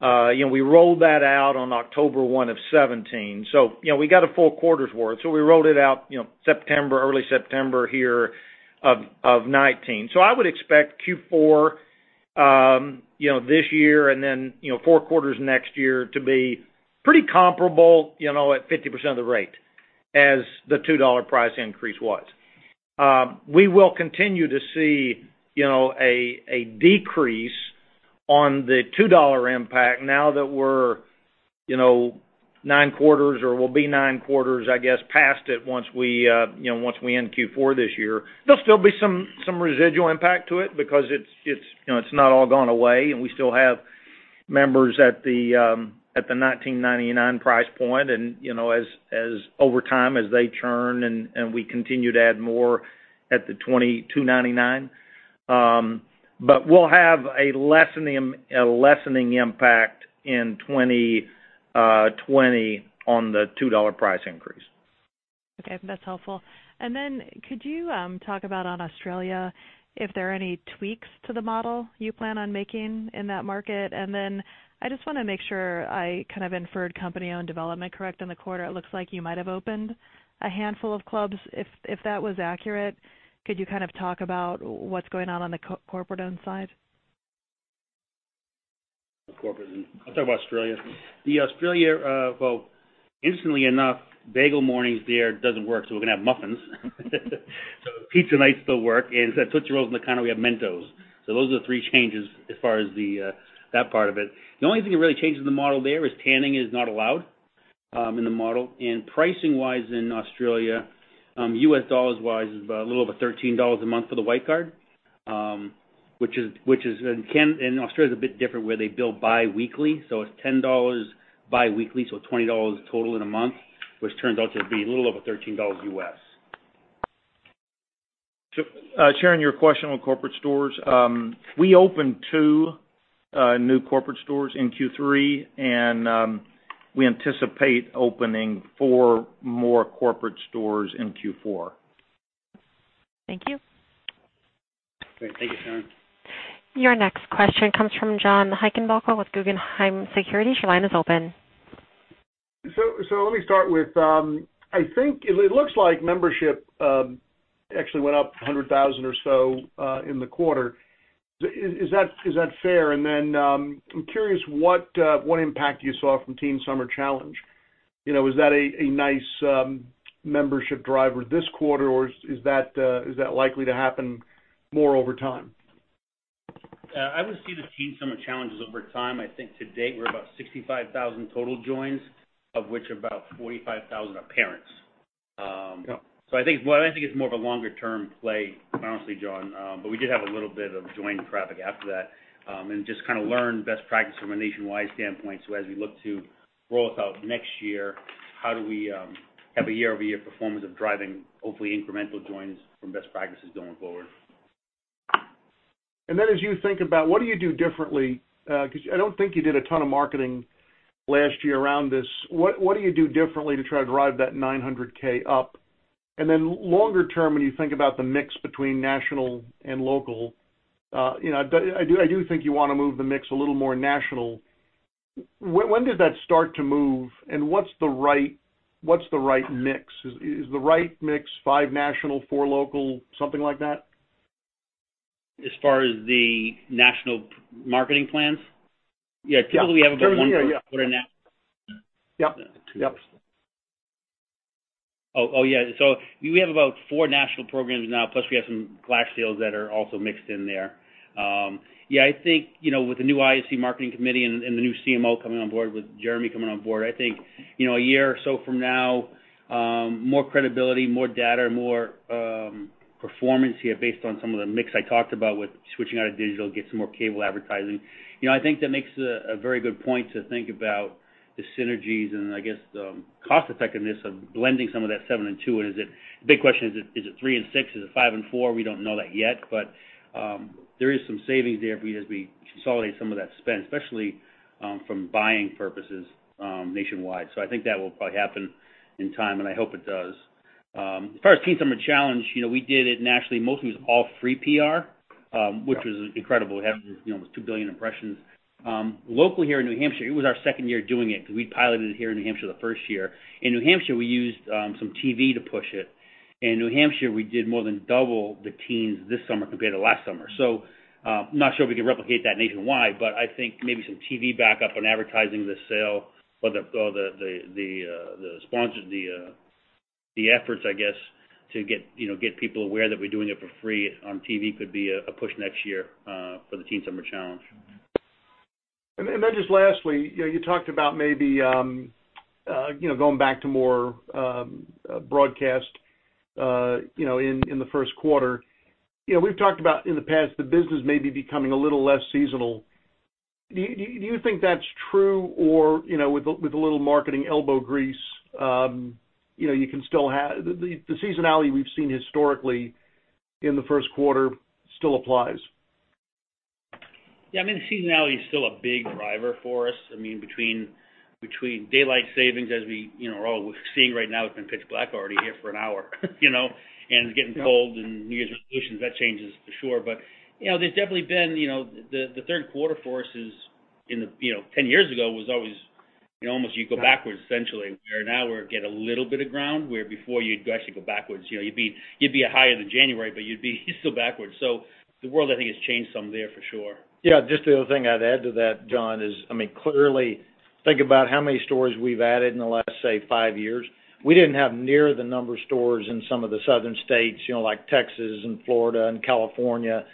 we rolled that out on October 1 of 2017. We got a full quarter's worth. We rolled it out early September here of 2019. I would expect Q4 this year and then four quarters next year to be pretty comparable at 50% of the rate as the $2 price increase was. We will continue to see a decrease on the $2 impact now that we're nine quarters, or we'll be nine quarters, I guess, past it once we end Q4 this year. There'll still be some residual impact to it because it's not all gone away, and we still have members at the $19.99 price point. Over time, as they churn and we continue to add more at the $22.99, we'll have a lessening impact in 2020 on the $2 price increase. Okay. That's helpful. Could you talk about on Australia, if there are any tweaks to the model you plan on making in that market? I just want to make sure I kind of inferred company-owned development correct in the quarter. It looks like you might have opened a handful of clubs. If that was accurate, could you kind of talk about what's going on on the corporate-owned side? The corporate. I'll talk about Australia. The Australia, well, interestingly enough, bagel mornings there doesn't work, we're going to have muffins. Pizza nights still work. Instead of Tootsie Rolls in the economy, we have Mentos. Those are the three changes as far as that part of it. The only thing that really changes the model there is tanning is not allowed in the model. Pricing wise in Australia, U.S. dollars wise, is a little over $13 a month for the Classic Card, which is. Australia is a bit different where they bill biweekly. It's $10 biweekly, so $20 total in a month, which turns out to be a little over $13 U.S. Sharon, your question on corporate stores. We opened two new corporate stores in Q3, and we anticipate opening four more corporate stores in Q4. Thank you. Great. Thank you, Sharon. Your next question comes from John Heinbockel with Guggenheim Securities. Your line is open. Let me start with, I think it looks like membership actually went up 100,000 or so in the quarter. Is that fair? And then I'm curious what impact you saw from Teen Summer Challenge? Was that a nice membership driver this quarter, or is that likely to happen more over time? I would see the Teen Summer Challenges over time. I think to date, we're about 65,000 total joins, of which about 45,000 are parents. Yep. I think it's more of a longer-term play, honestly, John. We did have a little bit of join traffic after that. Just kind of learn best practice from a nationwide standpoint. As we look to roll this out next year, how do we have a year-over-year performance of driving, hopefully incremental joins from best practices going forward? As you think about what do you do differently, because I don't think you did a ton of marketing last year around this. What do you do differently to try to drive that 900K up? Longer term, when you think about the mix between national and local, I do think you want to move the mix a little more national. When does that start to move and what's the right mix? Is the right mix five national, four local, something like that? As far as the national marketing plans? Yeah. Typically, we have about one quarter now. Yep. Oh, yeah. We have about four national programs now, plus we have some flash sales that are also mixed in there. I think, with the new IFC Marketing Committee and the new CMO coming on board, with Jeremy coming on board, I think, a year or so from now, more credibility, more data, more performance here based on some of the mix I talked about with switching out of digital, get some more cable advertising. I think that makes a very good point to think about the synergies and I guess the cost effectiveness of blending some of that seven and two. The big question is it three and six? Is it five and four? We don't know that yet, but there is some savings there as we consolidate some of that spend, especially from buying purposes nationwide. I think that will probably happen in time, and I hope it does. As far as Teen Summer Challenge, we did it nationally. Mostly it was all free PR, which was incredible. We have almost 2 billion impressions. Locally here in New Hampshire, it was our second year doing it because we piloted it here in New Hampshire the first year. In New Hampshire, we used some TV to push it. In New Hampshire, we did more than double the teens this summer compared to last summer. Not sure if we can replicate that nationwide, but I think maybe some TV backup on advertising the sale or the efforts, I guess, to get people aware that we're doing it for free on TV could be a push next year for the Teen Summer Challenge. Just lastly, you talked about maybe going back to more broadcast in the first quarter. We've talked about, in the past, the business maybe becoming a little less seasonal. Do you think that's true? With a little marketing elbow grease, the seasonality we've seen historically in the first quarter still applies? Yeah, seasonality is still a big driver for us. Between daylight savings as we all, we're seeing right now it's been pitch black already here for an hour. It's getting cold and New Year's resolutions, that changes, for sure. There's definitely been, the third quarter for us 10 years ago was always, almost you go backwards essentially, where now we're getting a little bit of ground where before you'd actually go backwards. You'd be higher than January, but you'd be still backwards. The world I think has changed some there for sure. Yeah, just the other thing I'd add to that, John, is, clearly think about how many stores we've added in the last, say, five years. We didn't have near the number of stores in some of the southern states, like Texas and Florida and California.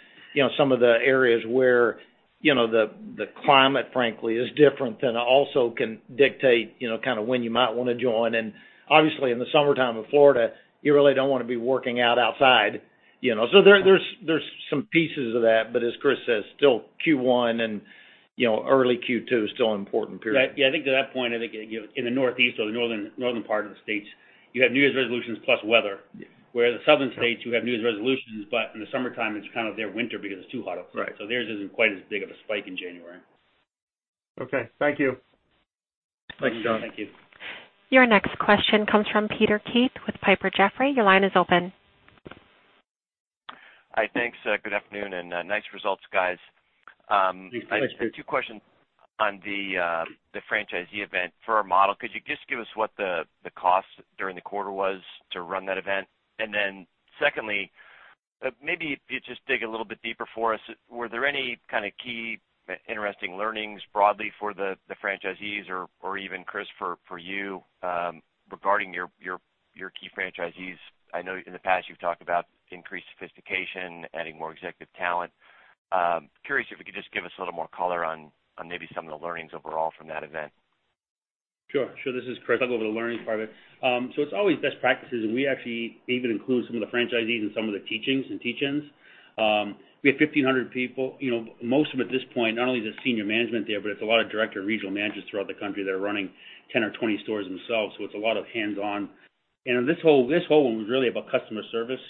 Some of the areas where the climate frankly is different and also can dictate when you might want to join. Obviously, in the summertime in Florida, you really don't want to be working out outside. There's some pieces of that. As Chris says, still Q1 and early Q2 is still an important period. Yeah. I think to that point, I think in the northeast or the northern part of the states, you have New Year's resolutions plus weather. Yeah. The southern states, you have New Year's resolutions, but in the summertime, it's kind of their winter because it's too hot outside. Right. Theirs isn't quite as big of a spike in January. Okay. Thank you. Thanks, John. Thank you. Your next question comes from Peter Keith with Piper Jaffray. Your line is open. Hi, thanks. Good afternoon. Nice results, guys. Thanks so much, Peter. I have two questions on the franchisee event for our model. Could you just give us what the cost during the quarter was to run that event? Secondly, maybe if you just dig a little bit deeper for us, were there any kind of key interesting learnings broadly for the franchisees or even Chris Rondeau, for you, regarding your key franchisees? I know in the past you've talked about increased sophistication, adding more executive talent. Curious if you could just give us a little more color on maybe some of the learnings overall from that event. Sure. This is Chris. I'll go over the learnings part of it. It's always best practices, and we actually even include some of the franchisees in some of the teachings and teach-ins. We have 1,500 people, most of them at this point, not only the senior management there, but it's a lot of director regional managers throughout the country that are running 10 or 20 stores themselves, so it's a lot of hands-on. This whole one was really about customer service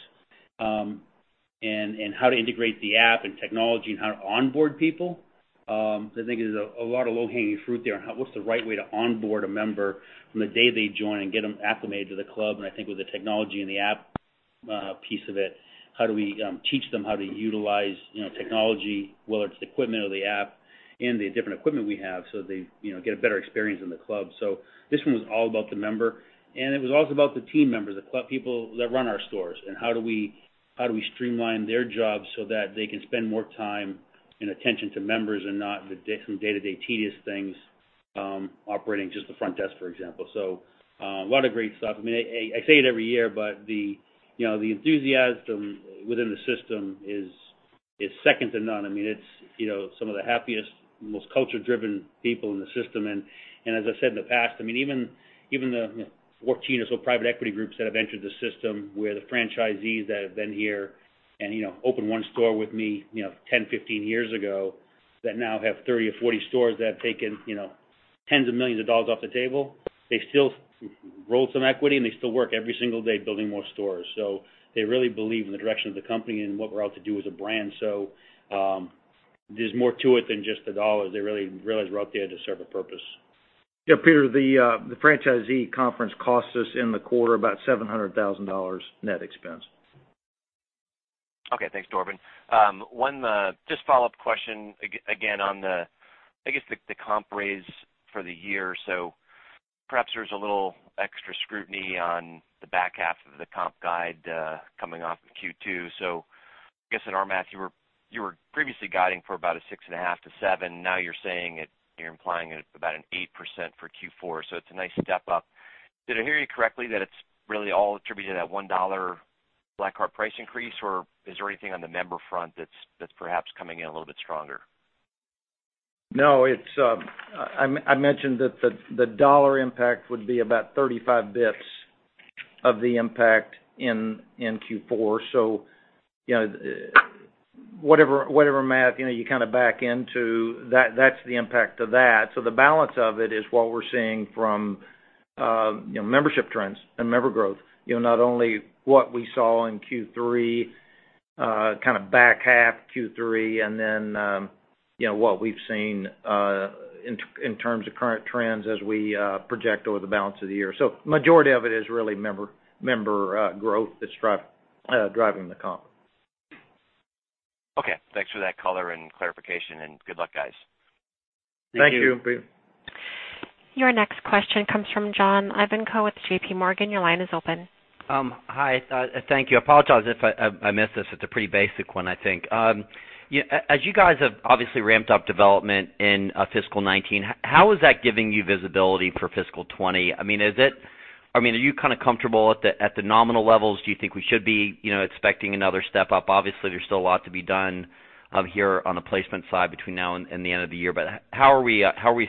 and how to integrate the app and technology and how to onboard people. I think there's a lot of low-hanging fruit there on what's the right way to onboard a member from the day they join and get them acclimated to the club. I think with the technology and the app piece of it, how do we teach them how to utilize technology, whether it's the equipment or the app and the different equipment we have so they get a better experience in the club. This one was all about the member, and it was also about the team members, the club people that run our stores, and how do we streamline their jobs so that they can spend more time and attention to members and not the day-to-day tedious things operating just the front desk, for example. A lot of great stuff. I say it every year, but the enthusiasm within the system is second to none. It's some of the happiest, most culture-driven people in the system. As I said in the past, even the 14 or so private equity groups that have entered the system where the franchisees that have been here and opened one store with me 10, 15 years ago that now have 30 or 40 stores that have taken Tens of millions of dollars off the table. They still rolled some equity, and they still work every single day building more stores. They really believe in the direction of the company and what we're out to do as a brand. There's more to it than just the dollars. They really realize we're out there to serve a purpose. Yeah, Peter, the franchisee conference cost us in the quarter about $700,000 net expense. Okay. Thanks, Dorvin. One just follow-up question again on the comp raise for the year. Perhaps there's a little extra scrutiny on the back half of the comp guide, coming off of Q2. In our math, you were previously guiding for about a 6.5%-7%. Now it's implying about an 8% for Q4, it's a nice step up. Did I hear you correctly that it's really all attributed to that $1 Black Card price increase, or is there anything on the member front that's perhaps coming in a little bit stronger? No. I mentioned that the dollar impact would be about 35 basis points of the impact in Q4. Whatever math, you kind of back into, that's the impact of that. The balance of it is what we're seeing from membership trends and member growth. Not only what we saw in Q3, kind of back half Q3, and then what we've seen in terms of current trends as we project over the balance of the year. The majority of it is really member growth that's driving the comp. Okay. Thanks for that color and clarification, and good luck, guys. Thank you. Thank you. Your next question comes from John Ivankoe with JPMorgan. Your line is open. Hi. Thank you. I apologize if I missed this. It's a pretty basic one, I think. As you guys have obviously ramped up development in fiscal 2019, how is that giving you visibility for fiscal 2020? Are you kind of comfortable at the nominal levels? Do you think we should be expecting another step up? Obviously, there's still a lot to be done here on the placement side between now and the end of the year. How are we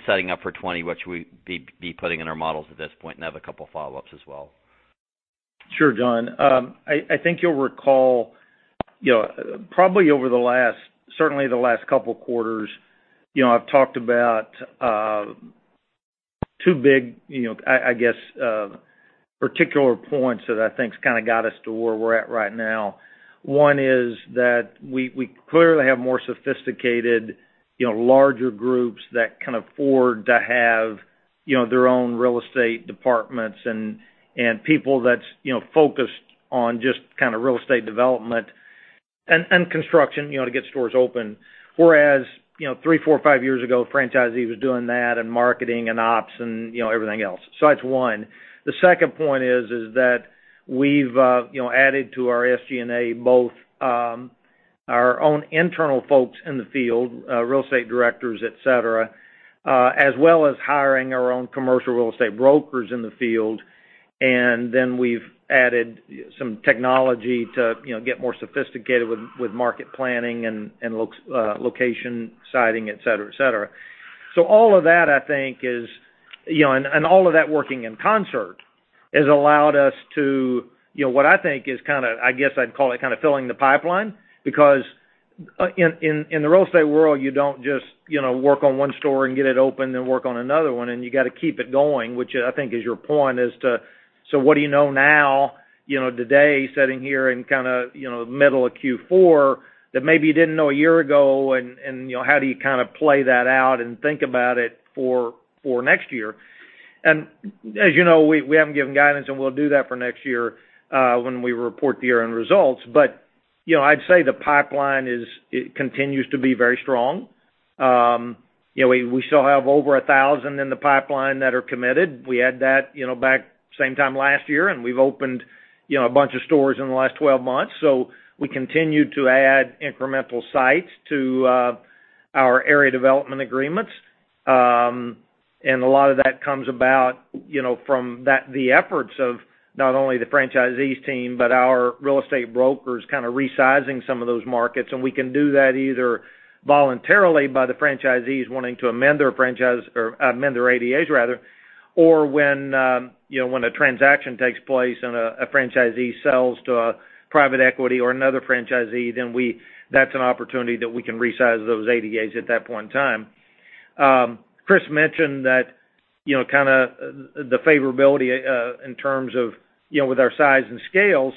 setting up for 2020? What should we be putting in our models at this point? I have a couple of follow-ups as well. John. I think you'll recall probably over the last, certainly the last couple of quarters, I've talked about two big particular points that I think kind of got us to where we're at right now. One is that we clearly have more sophisticated, larger groups that can afford to have their own real estate departments and people that's focused on just real estate development and construction to get stores open. Whereas, three, four, five years ago, a franchisee was doing that and marketing and ops and everything else. That's one. The second point is that we've added to our SG&A, both our own internal folks in the field, real estate directors, et cetera, as well as hiring our own commercial real estate brokers in the field. We've added some technology to get more sophisticated with market planning and location siting, et cetera. All of that, I think is, and all of that working in concert, has allowed us to, what I think is kind of, I guess I'd call it kind of filling the pipeline, because in the real estate world, you don't just work on one store and get it open, then work on another one, and you got to keep it going, which I think is your point as to, so what do you know now, today, sitting here in the middle of Q4, that maybe you didn't know a year ago, and how do you kind of play that out and think about it for next year? As you know, we haven't given guidance, and we'll do that for next year, when we report the year-end results. I'd say the pipeline continues to be very strong. We still have over 1,000 in the pipeline that are committed. We had that back same time last year, and we've opened a bunch of stores in the last 12 months. We continue to add incremental sites to our area development agreements. A lot of that comes about from the efforts of not only the franchisees' team, but our real estate brokers kind of resizing some of those markets, and we can do that either voluntarily by the franchisees wanting to amend their franchise or amend their ADAs rather, or when a transaction takes place and a franchisee sells to a private equity or another franchisee, then that's an opportunity that we can resize those ADAs at that point in time. Chris mentioned that the favorability, in terms of with our size and scale.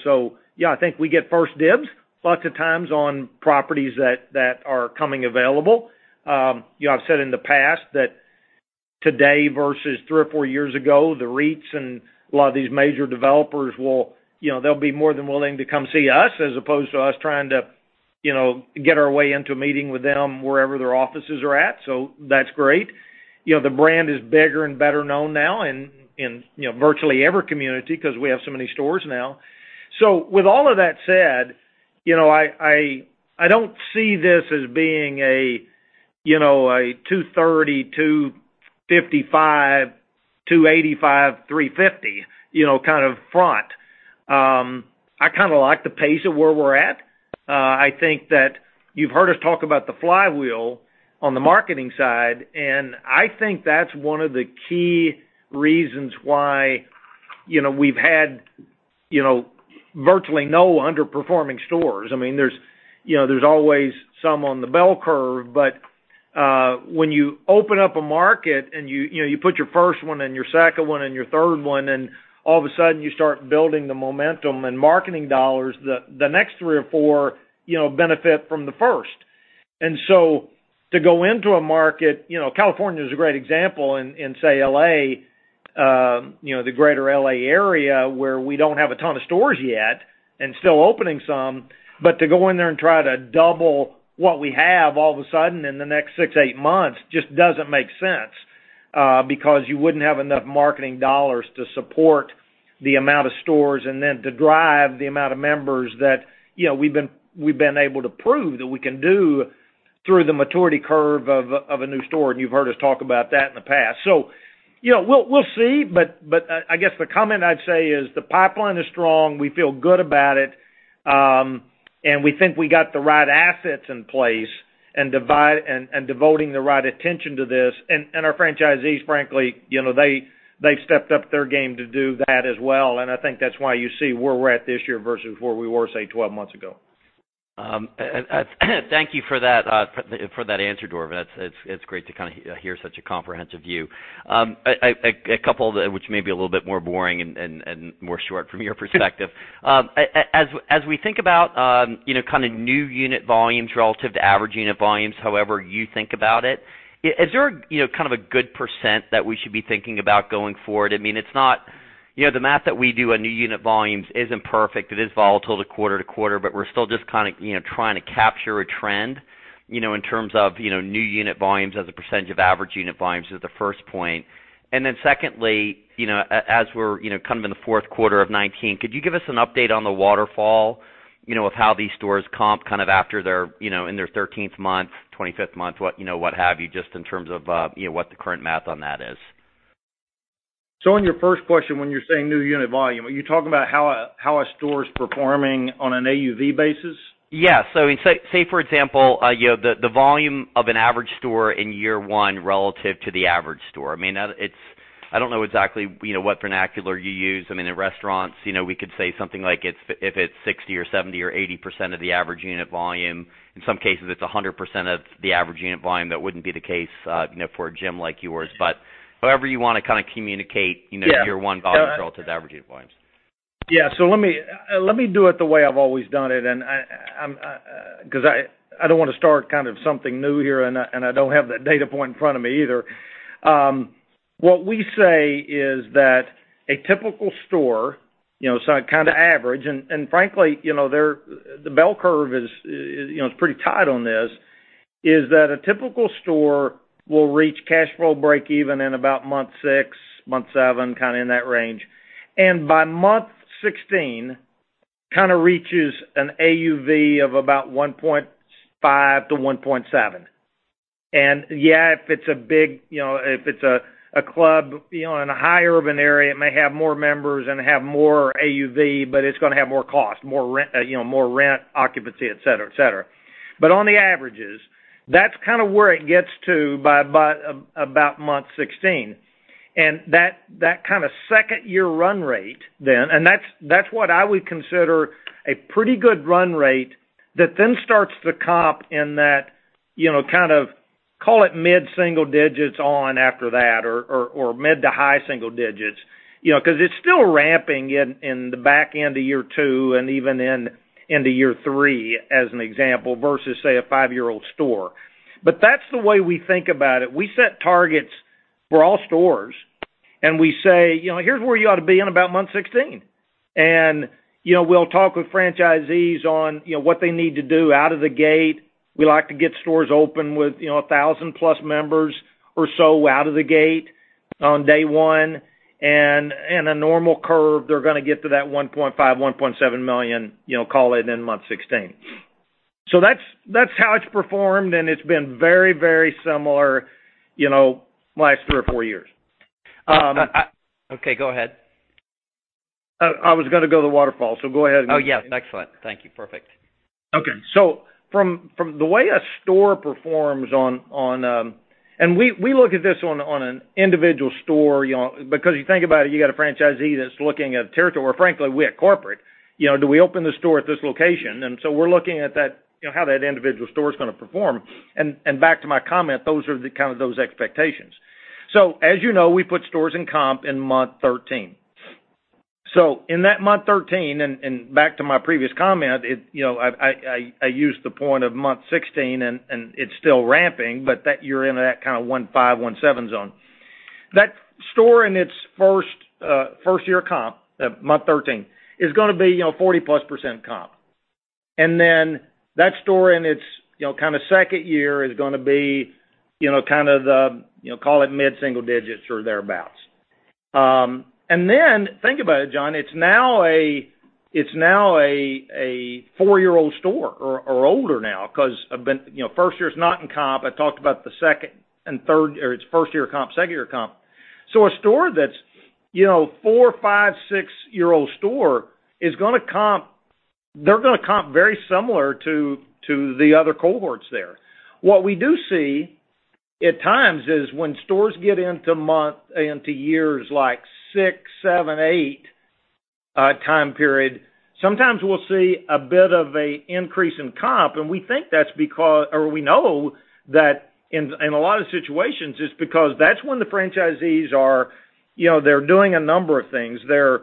Yeah, I think we get first dibs lots of times on properties that are coming available. I've said in the past that today versus three or four years ago, the REITs and a lot of these major developers, they'll be more than willing to come see us as opposed to us trying to get our way into a meeting with them wherever their offices are at. That's great. The brand is bigger and better known now in virtually every community because we have so many stores now. With all of that said, I don't see this as being a 230, 255, 285, 350 kind of front. I kind of like the pace of where we're at. I think that you've heard us talk about the flywheel on the marketing side, and I think that's one of the key reasons why we've had virtually no underperforming stores. There's always some on the bell curve, but when you open up a market and you put your first one and your second one and your third one, and all of a sudden you start building the momentum and marketing dollars, the next three or four benefit from the first. To go into a market, California is a great example, in say L.A., the greater L.A. area, where we don't have a ton of stores yet and still opening some, but to go in there and try to double what we have all of a sudden in the next six, eight months just doesn't make sense, because you wouldn't have enough marketing dollars to support the amount of stores and then to drive the amount of members that we've been able to prove that we can do through the maturity curve of a new store, and you've heard us talk about that in the past. We'll see, but I guess the comment I'd say is the pipeline is strong. We feel good about it. We think we got the right assets in place and devoting the right attention to this. Our franchisees, frankly, they've stepped up their game to do that as well, and I think that's why you see where we're at this year versus where we were, say, 12 months ago. Thank you for that answer, Dorvin. It's great to hear such a comprehensive view. Which may be a little bit more boring and more short from your perspective. As we think about kind of new unit volumes relative to average unit volumes, however you think about it, is there kind of a good percent that we should be thinking about going forward? The math that we do on new unit volumes isn't perfect. It is volatile to quarter to quarter, but we're still just kind of trying to capture a trend, in terms of new unit volumes as a percentage of average unit volumes as the first point. Secondly, as we're kind of in the fourth quarter of 2019, could you give us an update on the waterfall of how these stores comp kind of after they're in their 13th month, 25th month, what have you, just in terms of what the current math on that is? On your first question, when you're saying new unit volume, are you talking about how a store is performing on an AUV basis? Yeah. Say, for example, the volume of an average store in year one relative to the average store. I don't know exactly what vernacular you use. In restaurants, we could say something like, if it's 60% or 70% or 80% of the average unit volume. In some cases, it's 100% of the average unit volume. That wouldn't be the case for a gym like yours. However you want to kind of communicate. Yeah year one volume relative to average unit volumes. Yeah. Let me do it the way I've always done it, because I don't want to start kind of something new here, and I don't have that data point in front of me either. What we say is that a typical store, kind of average, and frankly, the bell curve is pretty tight on this, is that a typical store will reach cash flow breakeven in about month 6, month 7, kind of in that range. By month 16, kind of reaches an AUV of about $1.5-$1.7. Yeah, if it's a club in a high urban area, it may have more members and have more AUV, but it's going to have more cost, more rent, occupancy, et cetera. On the averages, that's kind of where it gets to by about month 16. That kind of year 2 run rate then, and that's what I would consider a pretty good run rate, that then starts to comp in that kind of, call it mid-single digits on after that or mid to high single digits. Because it's still ramping in the back end of year 2 and even into year 3, as an example, versus say, a five-year-old store. That's the way we think about it. We set targets for all stores, and we say, "Here's where you ought to be in about month 16." We'll talk with franchisees on what they need to do out of the gate. We like to get stores open with 1,000+ members or so out of the gate on day 1. In a normal curve, they're going to get to that $1.5 million-$1.7 million, call it in month 16. That's how it's performed, and it's been very similar last three or four years. Okay, go ahead. I was going to go to the waterfall, so go ahead. Oh, yes. Excellent. Thank you. Perfect. Okay. From the way a store performs. We look at this on an individual store, because you think about it, you got a franchisee that's looking at territory, where frankly, we at corporate, do we open the store at this location? We're looking at how that individual store is going to perform. Back to my comment, those are kind of those expectations. As you know, we put stores in comp in month 13. In that month 13, and back to my previous comment, I used the point of month 16 and it's still ramping, but you're into that kind of 1.5, 1.7 zone. That store in its first-year comp, month 13, is going to be 40-plus% comp. That store in its kind of second year is going to be kind of, call it mid-single digits or thereabouts. Think about it, John, it's now a four-year-old store or older now, because first year is not in comp. I talked about the first-year comp, second-year comp. A store that's four, five, six-year-old store is going to comp They're going to comp very similar to the other cohorts there. What we do see at times is when stores get into years like six, seven, eight time period, sometimes we'll see a bit of a increase in comp, and we know that in a lot of situations it's because that's when the franchisees are doing a number of things. They're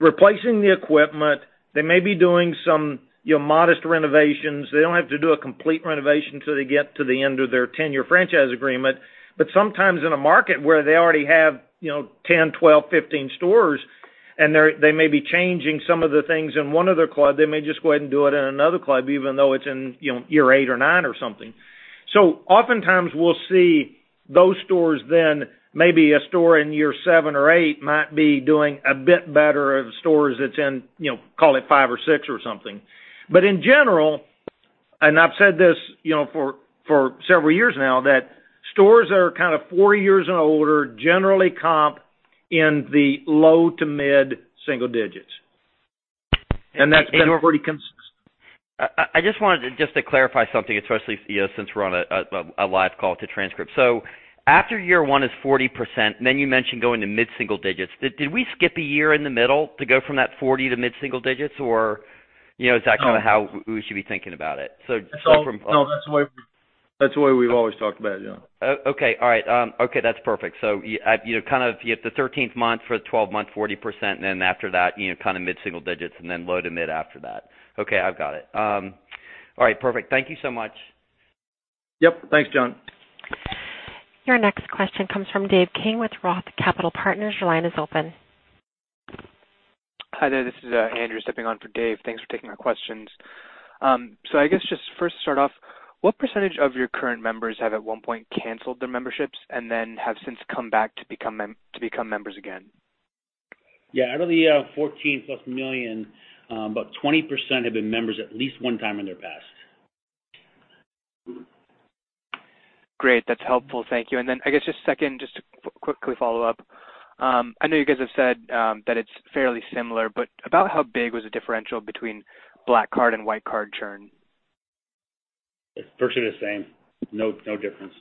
replacing the equipment. They may be doing some modest renovations. They don't have to do a complete renovation till they get to the end of their 10-year franchise agreement. But sometimes in a market where they already have 10, 12, 15 stores and they may be changing some of the things in one of their club, they may just go ahead and do it in another club, even though it's in year eight or nine or something. Oftentimes we'll see those stores then, maybe a store in year seven or eight might be doing a bit better of stores that's in call it five or six or something. In general, and I've said this for several years now, that stores that are kind of four years and older generally comp in the low to mid-single digits. I just wanted to clarify something, especially since we're on a live call to transcript. After year one is 40%, and then you mentioned going to mid-single digits, did we skip a year in the middle to go from that 40 to mid-single digits? Is that kind of how we should be thinking about it? No, that's the way we've always talked about it, yeah. Okay. All right. Okay. That's perfect. You have the 13th month for the 12-month, 40%, and then after that, kind of mid-single digits, and then low to mid after that. Okay, I've got it. All right, perfect. Thank you so much. Yep. Thanks, John. Your next question comes from Dave King with Roth Capital Partners. Your line is open. Hi there. This is Andrew stepping on for Dave. Thanks for taking our questions. I guess just first start off, what percentage of your current members have at one point canceled their memberships and then have since come back to become members again? Yeah, out of the 14-plus million, about 20% have been members at least one time in their past. Great. That's helpful. Thank you. I guess just second, just to quickly follow up. I know you guys have said that it's fairly similar, about how big was the differential between Black Card and Classic Card churn? It's virtually the same. No difference.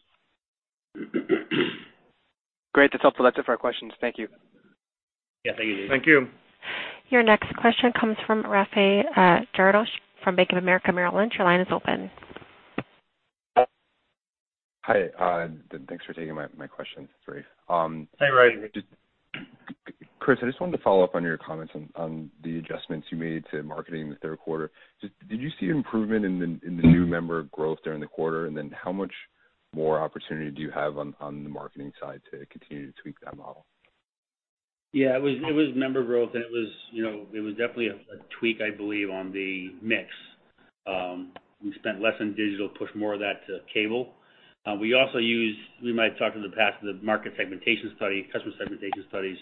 Great. That's helpful. That's it for our questions. Thank you. Yeah, thank you, Dave. Thank you. Your next question comes from Rafe Jadrosich from Bank of America Merrill Lynch. Your line is open. Hi, thanks for taking my questions. Sorry. Hey, Rafe. Chris, I just wanted to follow up on your comments on the adjustments you made to marketing in the third quarter. Did you see improvement in the new member growth during the quarter? How much more opportunity do you have on the marketing side to continue to tweak that model? It was member growth, and it was definitely a tweak, I believe, on the mix. We spent less on digital, pushed more of that to cable. We might have talked in the past, the market segmentation study, customer segmentation studies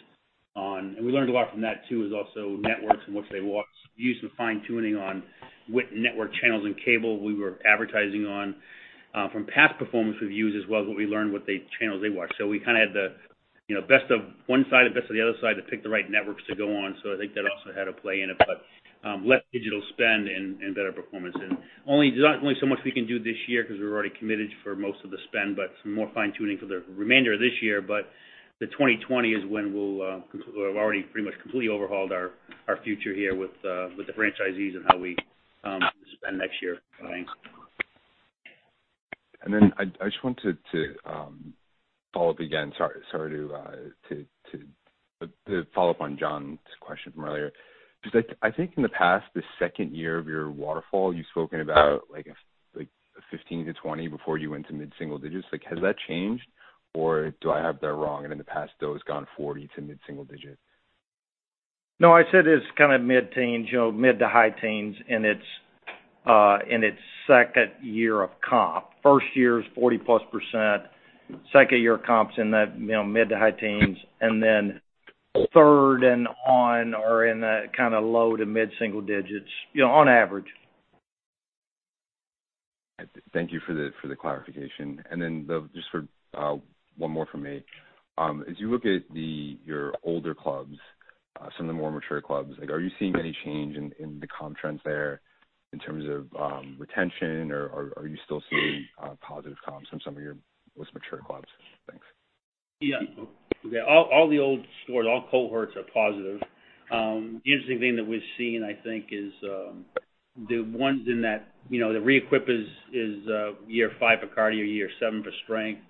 on, and we learned a lot from that, too, is also networks and what they watch. We used some fine-tuning on what network channels and cable we were advertising on. From past performance we've used as well is what we learned what channels they watch. We kind of had the best of one side and best of the other side to pick the right networks to go on. I think that also had a play in it, but less digital spend and better performance and only so much we can do this year because we're already committed for most of the spend, but some more fine-tuning for the remainder of this year. The 2020 is when we've already pretty much completely overhauled our future here with the franchisees and how we spend next year. I just wanted to follow up again. Sorry to follow up on John's question from earlier. I think in the past, the second year of your waterfall, you've spoken about like a 15-20 before you went to mid-single digits. Has that changed, or do I have that wrong, and in the past, those gone 40 to mid-single digits? No, I said it's kind of mid-teens, mid to high teens in its second year of comp. First year is 40+%, second-year comps in that mid to high teens, and then third and on are in that kind of low to mid-single digits on average. Thank you for the clarification. Just for one more from me. As you look at your older clubs, some of the more mature clubs, are you seeing any change in the comp trends there in terms of retention, or are you still seeing positive comps from some of your most mature clubs? Thanks. Yeah. All the old stores, all cohorts are positive. The interesting thing that we've seen, I think, is the ones in that the re-equip is year 5 for cardio, year 7 for strength.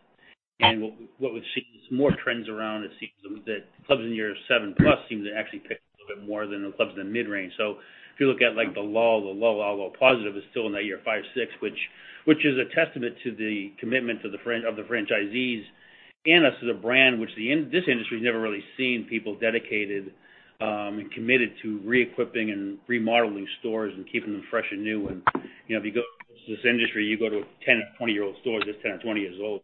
What we've seen is more trends around it seems that clubs in year 7 plus seems to actually pick a little bit more than the clubs in the mid-range. If you look at like the low, low, low, low, low positive is still in that year 5, 6, which is a testament to the commitment of the franchisees and us as a brand, which this industry's never really seen people dedicated and committed to re-equipping and remodeling stores and keeping them fresh and new. If you go to this industry, you go to a 10 or 20-year-old store, that's 10 or 20 years old.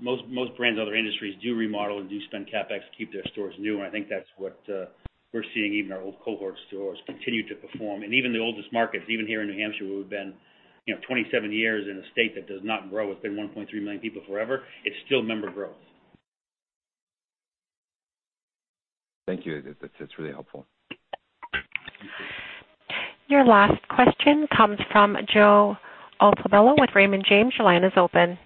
Most brands in other industries do remodel and do spend CapEx to keep their stores new, and I think that's what we're seeing even our old cohort stores continue to perform. Even the oldest markets, even here in New Hampshire, where we've been 27 years in a state that does not grow. It's been 1.3 million people forever. It's still member growth. Thank you. That's really helpful. Your last question comes from Joe Altobello with Raymond James. Your line is open.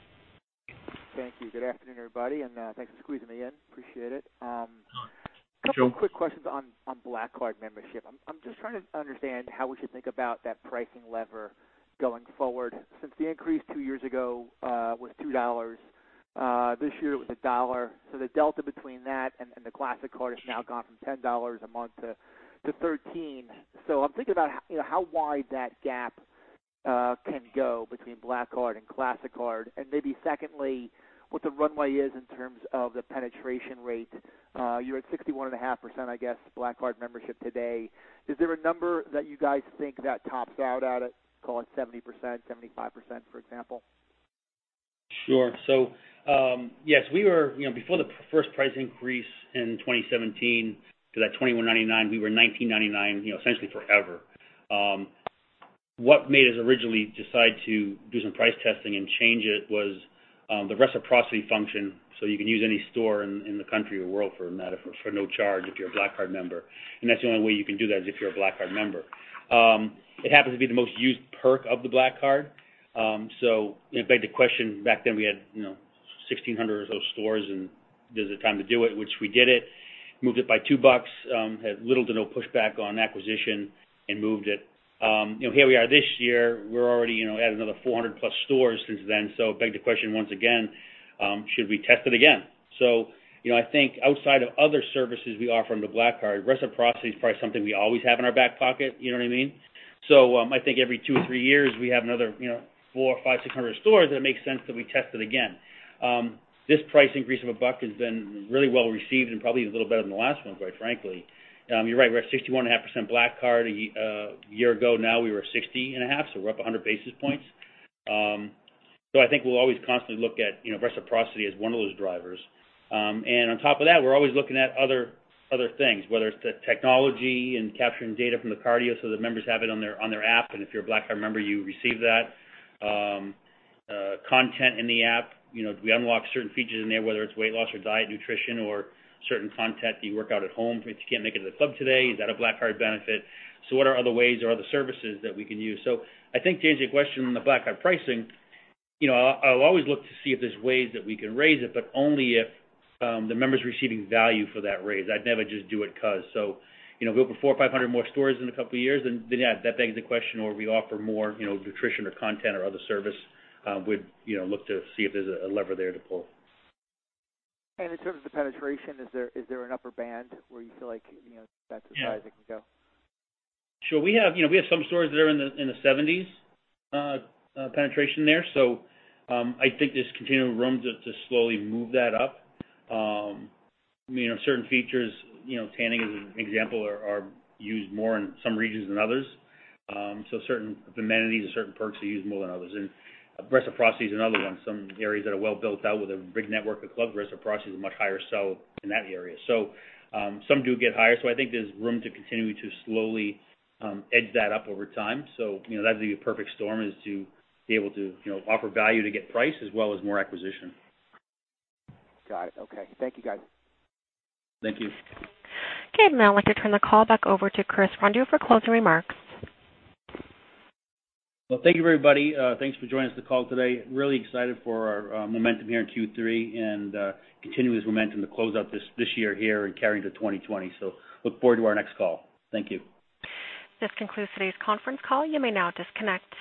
Thank you. Good afternoon, everybody, and thanks for squeezing me in. Appreciate it. Joe. A couple of quick questions on Black Card membership. I'm just trying to understand how we should think about that pricing lever going forward. Since the increase two years ago was $2, this year it was $1. The delta between that and the Classic Card has now gone from $10 a month to $13. I'm thinking about how wide that gap can go between Black Card and Classic Card. Maybe secondly, what the runway is in terms of the penetration rate. You're at 61.5%, I guess, Black Card membership today. Is there a number that you guys think that tops out at? Call it 70%, 75%, for example? Sure. Yes, before the first price increase in 2017 to that $21.99, we were $19.99 essentially forever. What made us originally decide to do some price testing and change it was the reciprocity function. You can use any store in the country or world for no charge if you're a Black Card member, and that's the only way you can do that is if you're a Black Card member. It happens to be the most used perk of the Black Card. It begged the question, back then, we had 1,600 or so stores and this is the time to do it, which we did it. Moved it by $2, had little to no pushback on acquisition and moved it. Here we are this year, we're already at another 400-plus stores since then. It begged the question once again, should we test it again? I think outside of other services we offer on the Black Card, reciprocity is probably something we always have in our back pocket. You know what I mean? I think every two or three years, we have another four or five, 600 stores, that it makes sense that we test it again. This price increase of $1 has been really well received and probably a little better than the last one, quite frankly. You're right, we're at 61.5% Black Card. A year ago now, we were 60.5%, so we're up 100 basis points. I think we'll always constantly look at reciprocity as one of those drivers. On top of that, we're always looking at other things, whether it's the technology and capturing data from the cardio so that members have it on their app. If you're a Black Card member, you receive that. Content in the app. We unlock certain features in there, whether it's weight loss or diet, nutrition or certain content, do you work out at home if you can't make it to the club today? Is that a Black Card benefit? What are other ways or other services that we can use? I think, to answer your question on the Black Card pricing, I'll always look to see if there's ways that we can raise it, but only if the member's receiving value for that raise. I'd never just do it because. If we open 400 or 500 more stores in a couple of years, then, yeah, that begs the question. We offer more nutrition or content or other service, we'd look to see if there's a lever there to pull. In terms of the penetration, is there an upper band where you feel like that's as high as it can go? Sure. We have some stores that are in the 70s penetration there. I think there's continuing room to slowly move that up. Certain features, tanning as an example, are used more in some regions than others. Certain amenities or certain perks are used more than others. Reciprocity is another one. Some areas that are well built out with a big network of clubs, reciprocity is a much higher sell in that area. Some do get higher. I think there's room to continue to slowly edge that up over time. That'd be a perfect storm, is to be able to offer value to get price as well as more acquisition. Got it. Okay. Thank you, guys. Thank you. Okay. Now I'd like to turn the call back over to Chris Rondeau for closing remarks. Well, thank you, everybody. Thanks for joining us on the call today. Really excited for our momentum here in Q3 and continuing this momentum to close out this year here and carry into 2020. Look forward to our next call. Thank you. This concludes today's conference call. You may now disconnect.